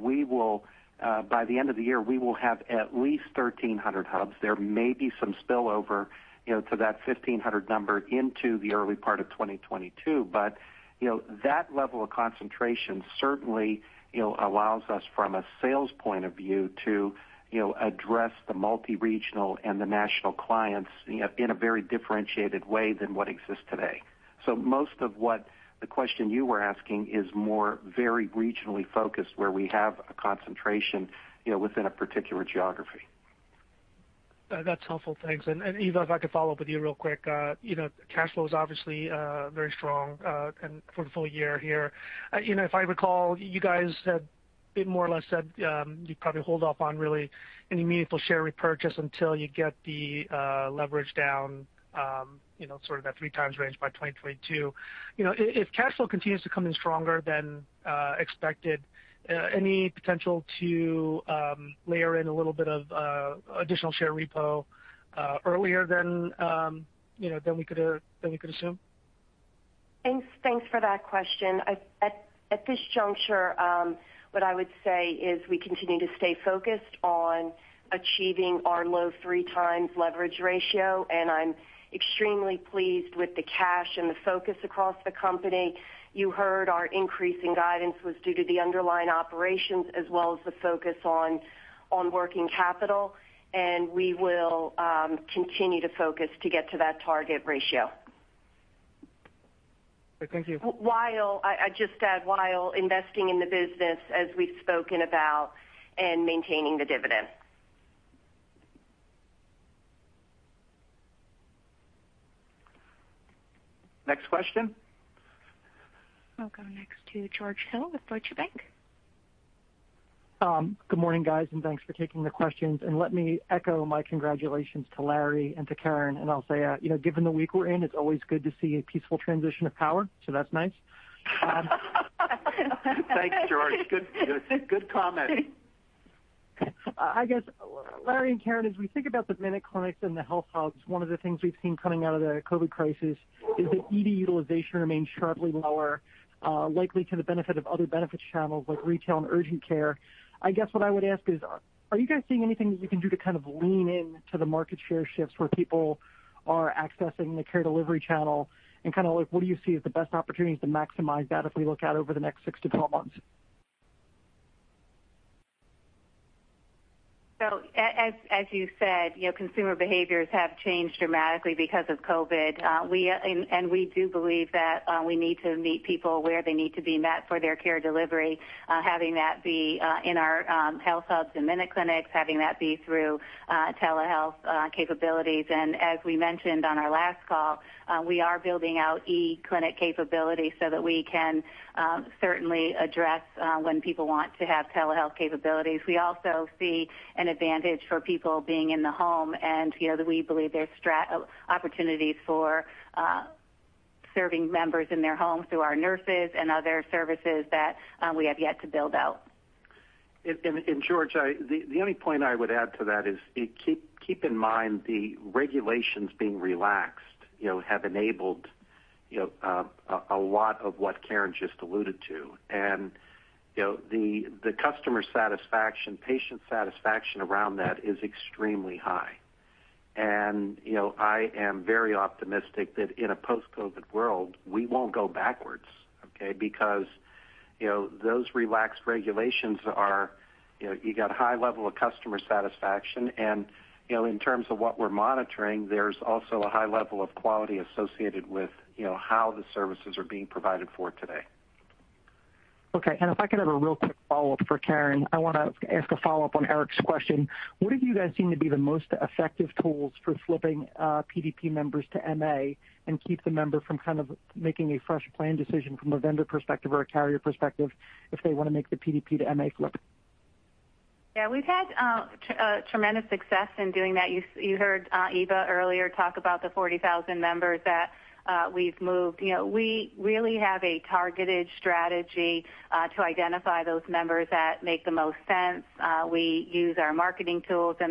by the end of the year, we will have at least 1,300 HealthHUBs there may be some spillover to that 1,500 number into the early part of 2022. That level of concentration certainly allows us from a sales point of view to address the multi-regional and the national clients in a very differentiated way than what exists today. Most of what the question you were asking is more very regionally focused, where we have a concentration within a particular geography. That's helpful. Thanks Eva, if I could follow up with you real quick. Cash flow is obviously very strong for the full year here. If I recall, you guys had more or less said you'd probably hold off on really any meaningful share repurchase until you get the leverage down sort of that 3 times range by 2022. If cash flow continues to come in stronger than expected, any potential to layer in a little bit of additional share repo earlier than we could assume? Thanks for that question. At this juncture, what I would say is we continue to stay focused on achieving our low 3x leverage ratio, and I'm extremely pleased with the cash and the focus across the company. You heard our increase in guidance was due to the underlying operations as well as the focus on working capital, and we will continue to focus to get to that target ratio. Thank you. I just add while investing in the business as we've spoken about and maintaining the dividend. Next question. I'll go next to George Hill with Deutsche Bank. Good morning, guys thanks for taking the questions let me echo my congratulations to Larry and to Karen i'll say, given the week we're in, it's always good to see a peaceful transition of power, so that's nice. Thanks, George. Good comment. I guess, Larry and Karen, as we think about the MinuteClinics and the HealthHUBs, one of the things we've seen coming out of the COVID crisis is that ED utilization remains sharply lower, likely to the benefit of other benefits channels like retail and urgent care. I guess what I would ask is, are you guys seeing anything that you can do to kind of lean into the market share shifts where people are accessing the care delivery channel? What do you see as the best opportunities to maximize that if we look out over the next six to 12 months? As you said, consumer behaviors have changed dramatically because of COVID. We do believe that we need to meet people where they need to be met for their care delivery, having that be in our HealthHUBs and MinuteClinics, having that be through telehealth capabilities and as we mentioned on our last call- -we are building out e-Clinic capabilities so that we can certainly address when people want to have telehealth capabilities, we also see an advantage for people being in the home, and we believe there's opportunities for serving members in their homes through our nurses and other services that we have yet to build out. George, the only point I would add to that is, keep in mind, the regulations being relaxed have enabled a lot of what Karen just alluded to. The customer satisfaction, patient satisfaction around that is extremely high. I am very optimistic that in a post-COVID-19 world, we won't go backwards. Okay because, those relaxed regulations you got a high level of customer satisfaction. In terms of what we're monitoring, there's also a high level of quality associated with how the services are being provided for today. Okay. If I could have a real quick follow-up for Karen. I want to ask a follow-up on Eric's question. What do you guys seem to be the most effective tools for flipping PDP members to MA and keep the member from kind of making a fresh plan decision from a vendor perspective or a carrier perspective if they want to make the PDP to MA flip? Yeah, we've had tremendous success in doing that you heard Eva earlier talk about the 40,000 members that we've moved we really have a targeted strategy to identify those members that make the most sense.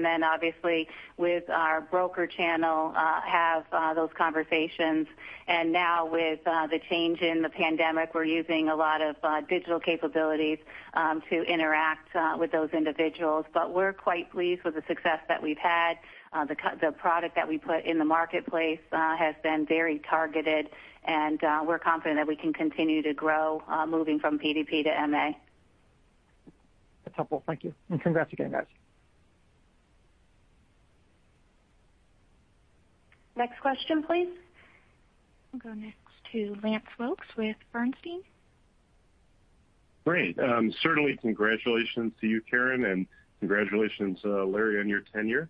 Then obviously, with our broker channel, have those conversations. Now with the change in the pandemic, we're using a lot of digital capabilities to interact with those individuals so we're quite pleased with the success that we've had. The product that we put in the marketplace has been very targeted, and we're confident that we can continue to grow, moving from PDP to MA. That's helpful. Thank you. Congrats again, guys. Next question, please. We'll go next to Lance Wilkes with Bernstein. Great. Certainly, congratulations to you, Karen, and congratulations, Larry, on your tenure.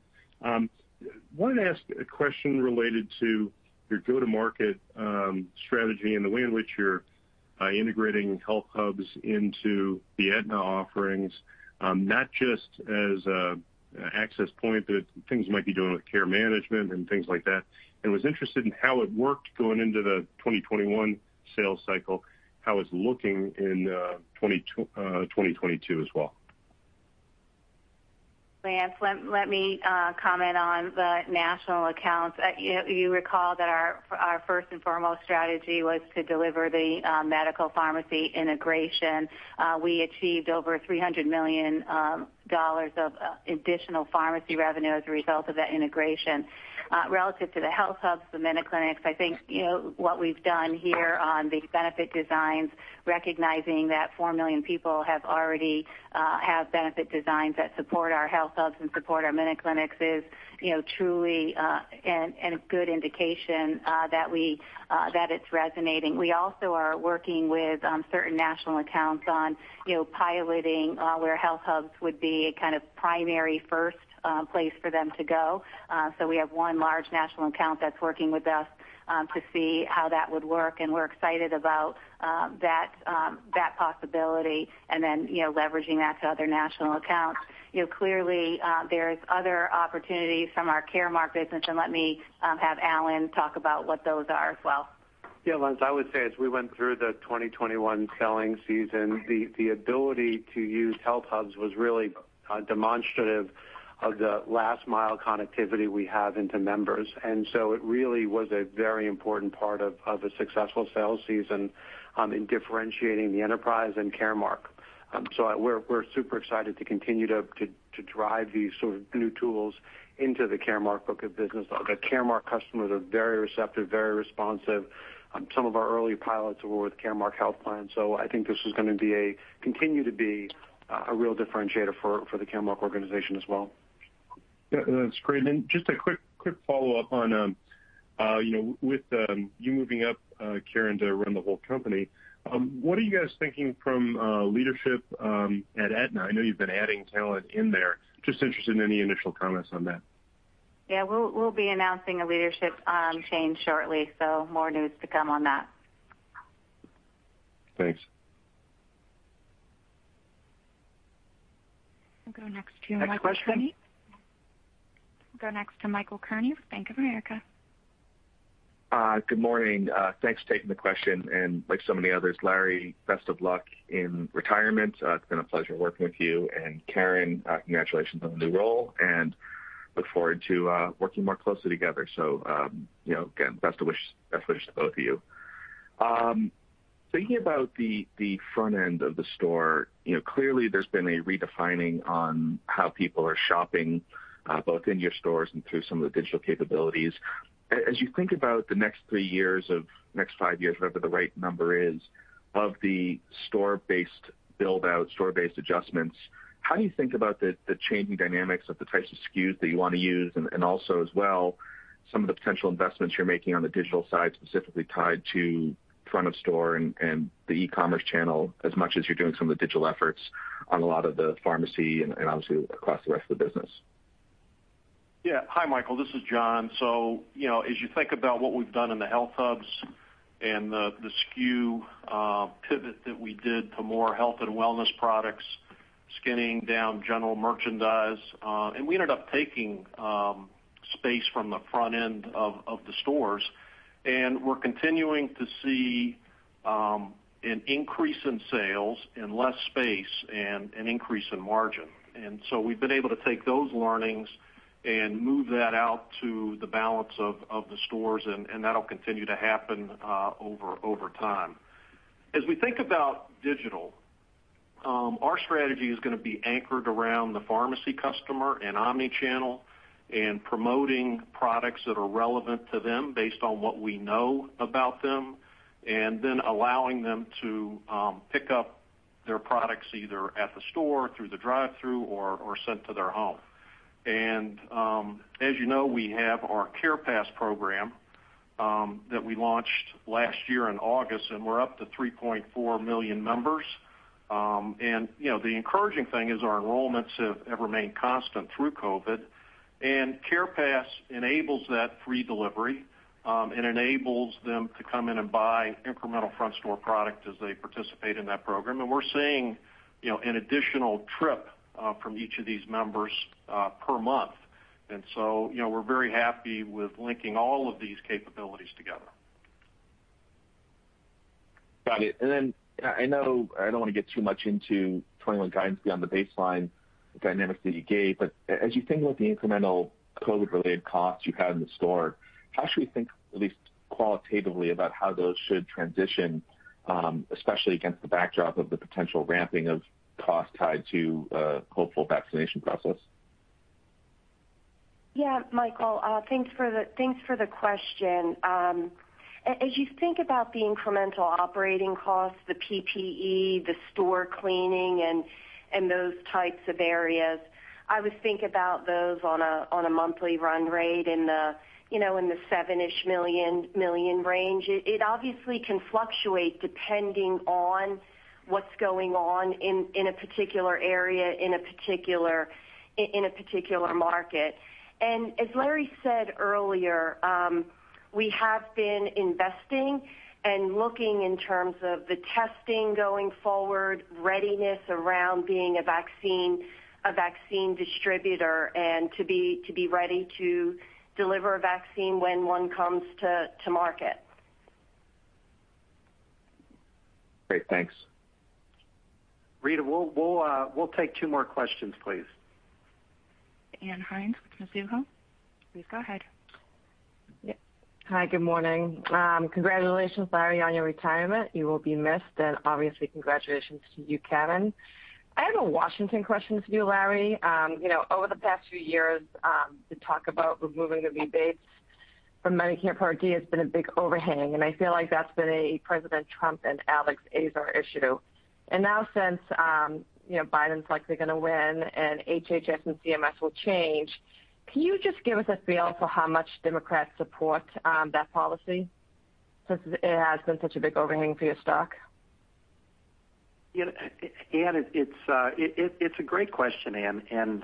Wanted to ask a question related to your go-to-market strategy and the way in which you're integrating HealthHUBs into the Aetna offerings, not just as an access point, but things you might be doing with care management and things like that. Was interested in how it worked going into the 2021 sales cycle, how it's looking in 2022? as well. Lance, let me comment on the national accounts. You recall that our first and foremost strategy was to deliver the medical pharmacy integration. We achieved over $300 million of additional pharmacy revenue as a result of that integration. Relative to the HealthHUBs, the MinuteClinics, I think what we've done here on the benefit designs, recognizing that four million people already have benefit designs that support our HealthHUBs and support our MinuteClinics, is truly a good indication that it's resonating, we also are working with certain national accounts on piloting where HealthHUBs would be a kind of primary first place for them to go. We have one large national account that's working with us to see how that would work, and we're excited about that possibility, and then leveraging that to other national accounts. Clearly, there's other opportunities from our Caremark business let me have Alan talk about what those are as well. Lance, I would say, as we went through the 2021 selling season, the ability to use HealthHUBs was really demonstrative of the last-mile connectivity we have into members. It really was a very important part of a successful sales season in differentiating the enterprise and Caremark. We're super excited to continue to drive these sort of new tools into the Caremark book of business the Caremark customers are very receptive, very responsive on some of our early pilots with Caremark health plans so i think this is going to continue to be a real differentiator for the Caremark organization as well. Yeah, that's great. Just a quick follow-up on with you moving up, Karen, to run the whole company. What are you guys thinking from a leadership at Aetna? I know you've been adding talent in there. Just interested in any initial comments on that. Yeah. We'll be announcing a leadership change shortly. More news to come on that. Thanks. I'll go next to Michael Cherny. Go next to Michael Cherny with Bank of America Merrill Lynch. Good morning. Thanks for taking the question, like so many others, Larry, best of luck in retirement it's been a pleasure working with you and Karen, congratulations on the new role, look forward to working more closely together. Again, best wishes to both of you. Thinking about the front end of the store, clearly there's been a redefining on how people are shopping, both in your stores and through some of the digital capabilities. As you think about the next three years, next five years, whatever the right number is, of the store-based build-out, store-based adjustments, how do you think about the changing dynamics of the types of SKUs that you want to use? also as well- -some of the potential investments you're making on the digital side, specifically tied to front of store and the e-commerce channel, as much as you're doing some of the digital efforts on a lot of the pharmacy and obviously across the rest of the business. Yeah. Hi, Michael this is Jon. As you think about what we've done in the HealthHUBs and the SKU pivot that we did to more health and wellness products, skinning down general merchandise. We ended up taking space from the front end of the stores. We're continuing to see an increase in sales and less space and an increase in margin. We've been able to take those learnings and move that out to the balance of the stores, and that'll continue to happen over time. As we think about digital, our strategy is going to be anchored around the pharmacy customer and omni-channel and promoting products that are relevant to them based on what we know about them, and then allowing them to pick up their products either at the store, through the drive-thru or sent to their home. As you know, we have our CarePass program that we launched last year in August, and we're up to 3.4 million members. The encouraging thing is our enrollments have remained constant through COVID-19. CarePass enables that free delivery, and enables them to come in and buy incremental front-store product as they participate in that program we're seeing an additional trip from each of these members per month. We're very happy with linking all of these capabilities together. Got it. I know I don't want to get too much into 2021 guidance beyond the baseline dynamics that you gave, as you think about the incremental COVID-19-related costs you've had in the store, how should we think, at least qualitatively, about how those should transition? especially against the backdrop of the potential ramping of costs tied to a hopeful vaccination process? Michael, thanks for the question. As you think about the incremental operating costs, the PPE, the store cleaning, and those types of areas, I would think about those on a monthly run rate in the $7 million range it obviously can fluctuate depending on what's going on in a particular area, in a particular market. As Larry said earlier, we have been investing and looking in terms of the testing going forward, readiness around being a vaccine distributor, and to be ready to deliver a vaccine when one comes to market. Great. Thanks. Rita, we'll take two more questions, please. Ann Hynes with Mizuho. Please go ahead. Hi, good morning. Congratulations, Larry Merlo, on your retirement. You will be missed obviously, congratulations to you, Karen Lynch. I have a Washington question for you, Larry, over the past few years, the talk about removing the rebates from Medicare Part D has been a big overhang i feel like that's been a President Trump and Alex Azar issue. Now since Biden's likely going to win and HHS and CMS will change, can you just give us a feel for how much Democrats support that policy? since it has been such a big overhang for your stock? Ann, it's a great question, Ann.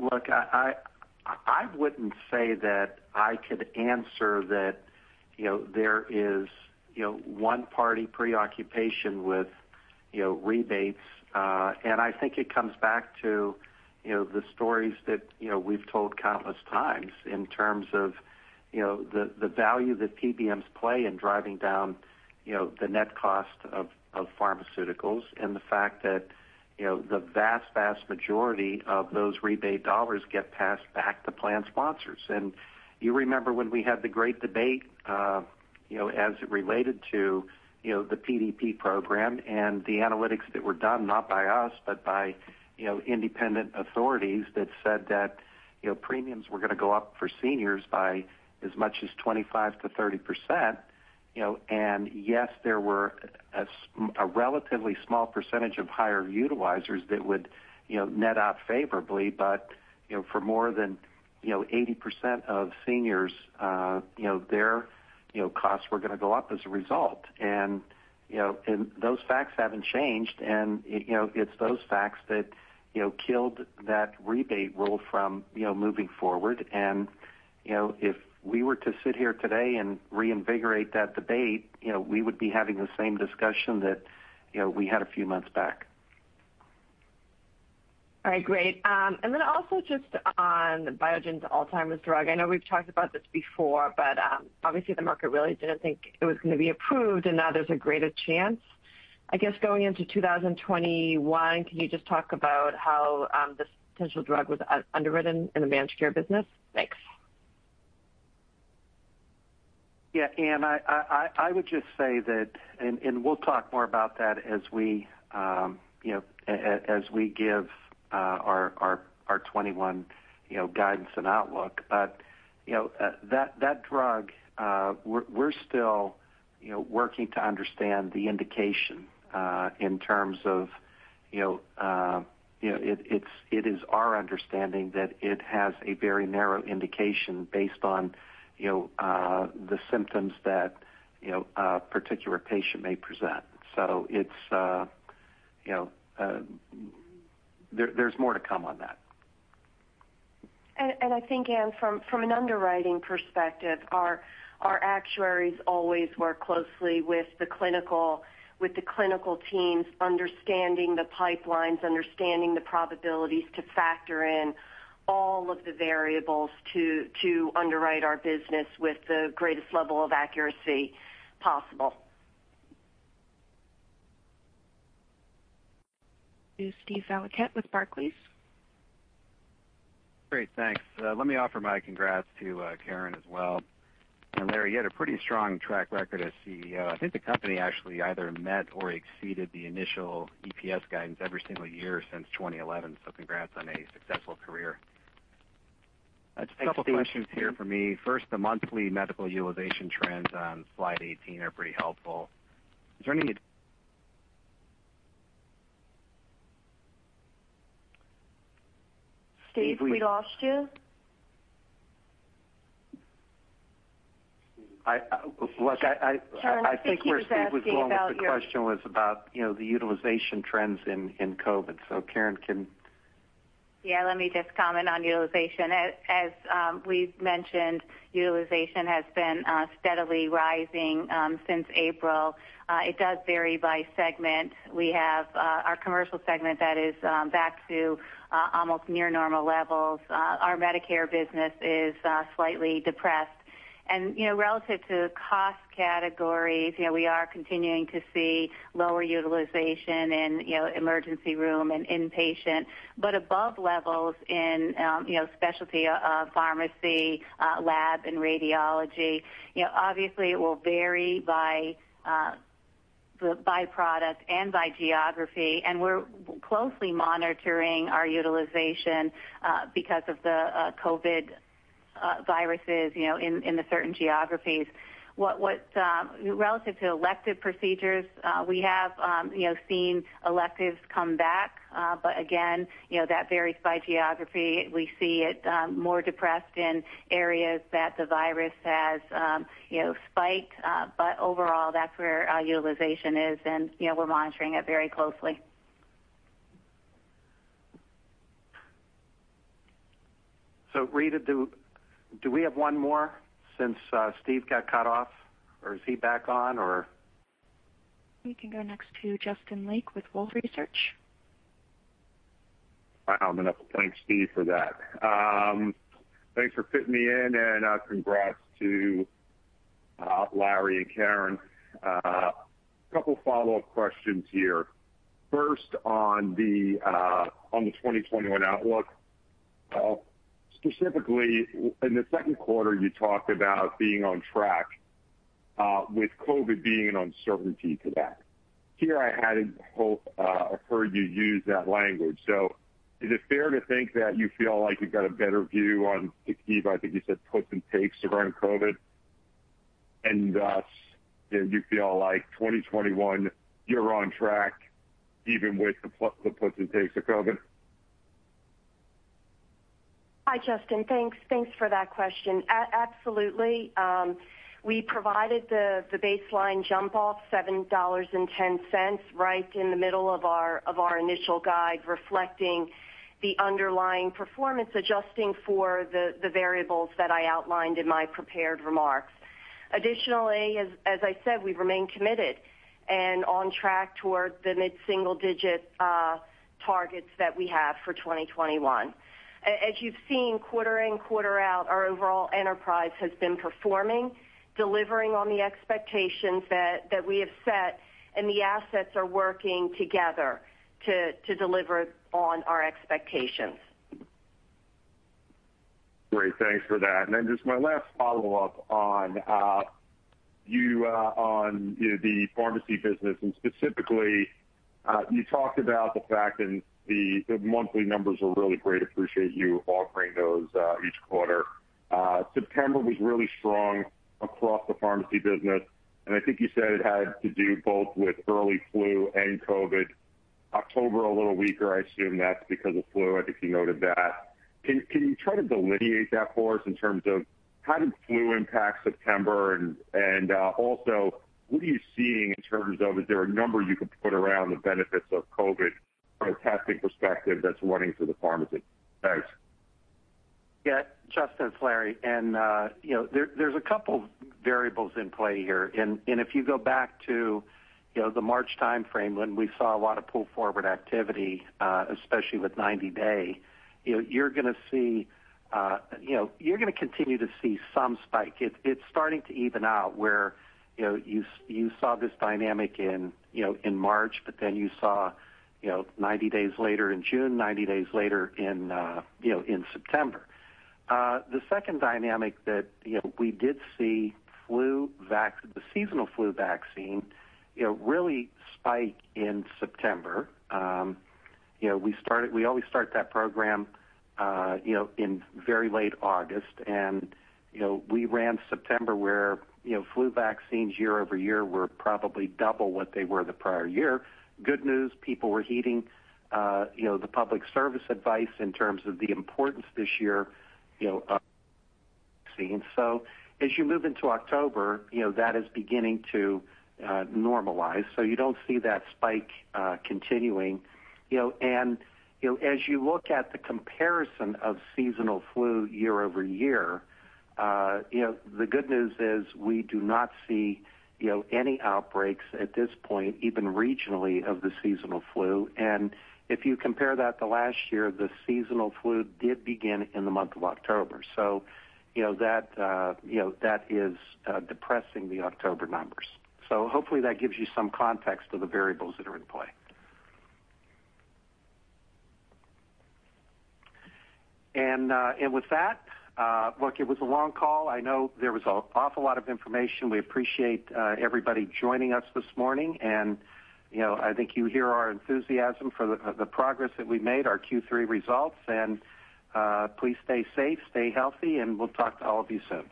Look, I wouldn't say that I could answer that there is one party preoccupation with rebates. I think it comes back to the stories that we've told countless times in terms of the value that PBMs play in driving down the net cost of pharmaceuticals and the fact that the vast majority of those rebate dollars get passed back to plan sponsors. You remember when we had the great debate as it related to the PDP program and the analytics that were done, not by us, but by independent authorities that said that premiums were going to go up for seniors by as much as 25%-30%. Yes, there were a relatively small percentage of higher utilizers that would net out favorably, but for more than 80% of seniors, their costs were going to go up as a result. Those facts haven't changed, and it's those facts that killed that rebate rule from moving forward. If we were to sit here today and reinvigorate that debate, we would be having the same discussion that we had a few months back. All right, great. Then also just on Biogen's Alzheimer's drug i know we've talked about this before, but obviously the market really didn't think it was going to be approved, and now there's a greater chance, I guess, going into 2021. Can you just talk about how this potential drug was underwritten in the managed care business? Thanks. Yeah, Ann, I would just say that, and we'll talk more about that as we give our 2021 guidance and outlook. That drug, we're still working to understand the indication, in terms of it is our understanding that it has a very narrow indication based on the symptoms that a particular patient may present. There's more to come on that. I think, Ann, from an underwriting perspective, our actuaries always work closely with the clinical teams, understanding the pipelines, understanding the probabilities to factor in all of the variables to underwrite our business with the greatest level of accuracy possible. Steve Valiquette with Barclays. Great, thanks. Let me offer my congrats to Karen as well. Larry, you had a pretty strong track record as CEO i think the company actually either met or exceeded the initial EPS guidance every single year since 2011 congrats on a successful career. A couple questions here from me first, the monthly medical utilization trends on slide 18 are pretty helpful. Is there any- Steve, we lost you. I think where Steve was going with the question was about the utilization trends in COVID. Karen can- Yeah, let me just comment on utilization as we've mentioned, utilization has been steadily rising since April. It does vary by segment. We have our commercial segment that is back to almost near normal levels. Our Medicare business is slightly depressed. Relative to cost categories, we are continuing to see lower utilization in emergency room and inpatient, but above levels in specialty pharmacy, lab, and radiology. Obviously, it will vary by product and by geography, and we're closely monitoring our utilization because of the COVID viruses in the certain geographies. Relative to elective procedures, we have seen electives come back, but again, that varies by geography. We see it more depressed in areas that the virus has spiked. But overall, that's where our utilization is, and we're monitoring it very closely. Rita, do we have one more since Steve got cut off? Or is he back on, or? We can go next to Justin Lake with Wolfe Research. Wow, I'm going to have to thank Steve for that. Thanks for fitting me in, and congrats to Larry and Karen. A couple follow-up questions here. First, on the 2021 outlook. Specifically, in the Q2, you talked about being on track with COVID-19 being an uncertainty to that. Here, I hadn't heard you use that language. Is it fair to think that you feel like you've got a better view on, I think you said puts and takes around COVID-19? and you feel like 2021, you're on track even with the puts and takes of COVID-19? Hi, Justin thanks for that question. Absolutely, we provided the baseline jump-off, $7.10, right in the middle of our initial guide, reflecting the underlying performance, adjusting for the variables that I outlined in my prepared remarks. Additionally, as I said, we remain committed and on track toward the mid-single digit targets that we have for 2021. As you've seen quarter in, quarter out, our overall enterprise has been performing, delivering on the expectations that we have set, and the assets are working together to deliver on our expectations. Great. Thanks for that just my last follow-up on the pharmacy business, specifically, you talked about the fact, the monthly numbers are really great appreciate you offering those each quarter. September was really strong across the pharmacy business, I think you said it had to do both with early flu and COVID. October, a little weaker i assume that's because of flu i think you noted that. Can you try to delineate that for us in terms of how did flu impact September? What are you seeing in terms of, is there a number you can put around the benefits of COVID from a testing perspective that's running through the pharmacy? Thanks. Yeah. Justin, it's Larry. There's a couple variables in play here. If you go back to the March timeframe when we saw a lot of pull-forward activity, especially with 90-day, you're going to continue to see some spike it's starting to even out where you saw this dynamic in March, but then you saw 90 days later in June, 90 days later in September. The second dynamic that we did see, the seasonal flu vaccine, really spike in September. We always start that program in very late August, and we ran September where flu vaccines year-over-year were probably double what they were the prior year. Good news, people were heeding the public service advice in terms of the importance this year of vaccine. As you move into October, that is beginning to normalize so you don't see that spike continuing. As you look at the comparison of seasonal flu year-over-year, the good news is we do not see any outbreaks at this point, even regionally, of the seasonal flu. If you compare that to last year, the seasonal flu did begin in the month of October so, that is depressing the October numbers. Hopefully that gives you some context of the variables that are in play. With that, look, it was a long call. I know there was an awful lot of information we appreciate everybody joining us this morning, and I think you hear our enthusiasm for the progress that we made, our Q3 results. Please stay safe, stay healthy, and we'll talk to all of you soon.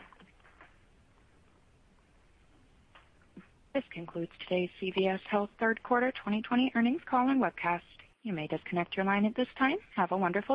This concludes today's CVS Health Q3 2020 earnings call and webcast. You may disconnect your line at this time. Have a wonderful day.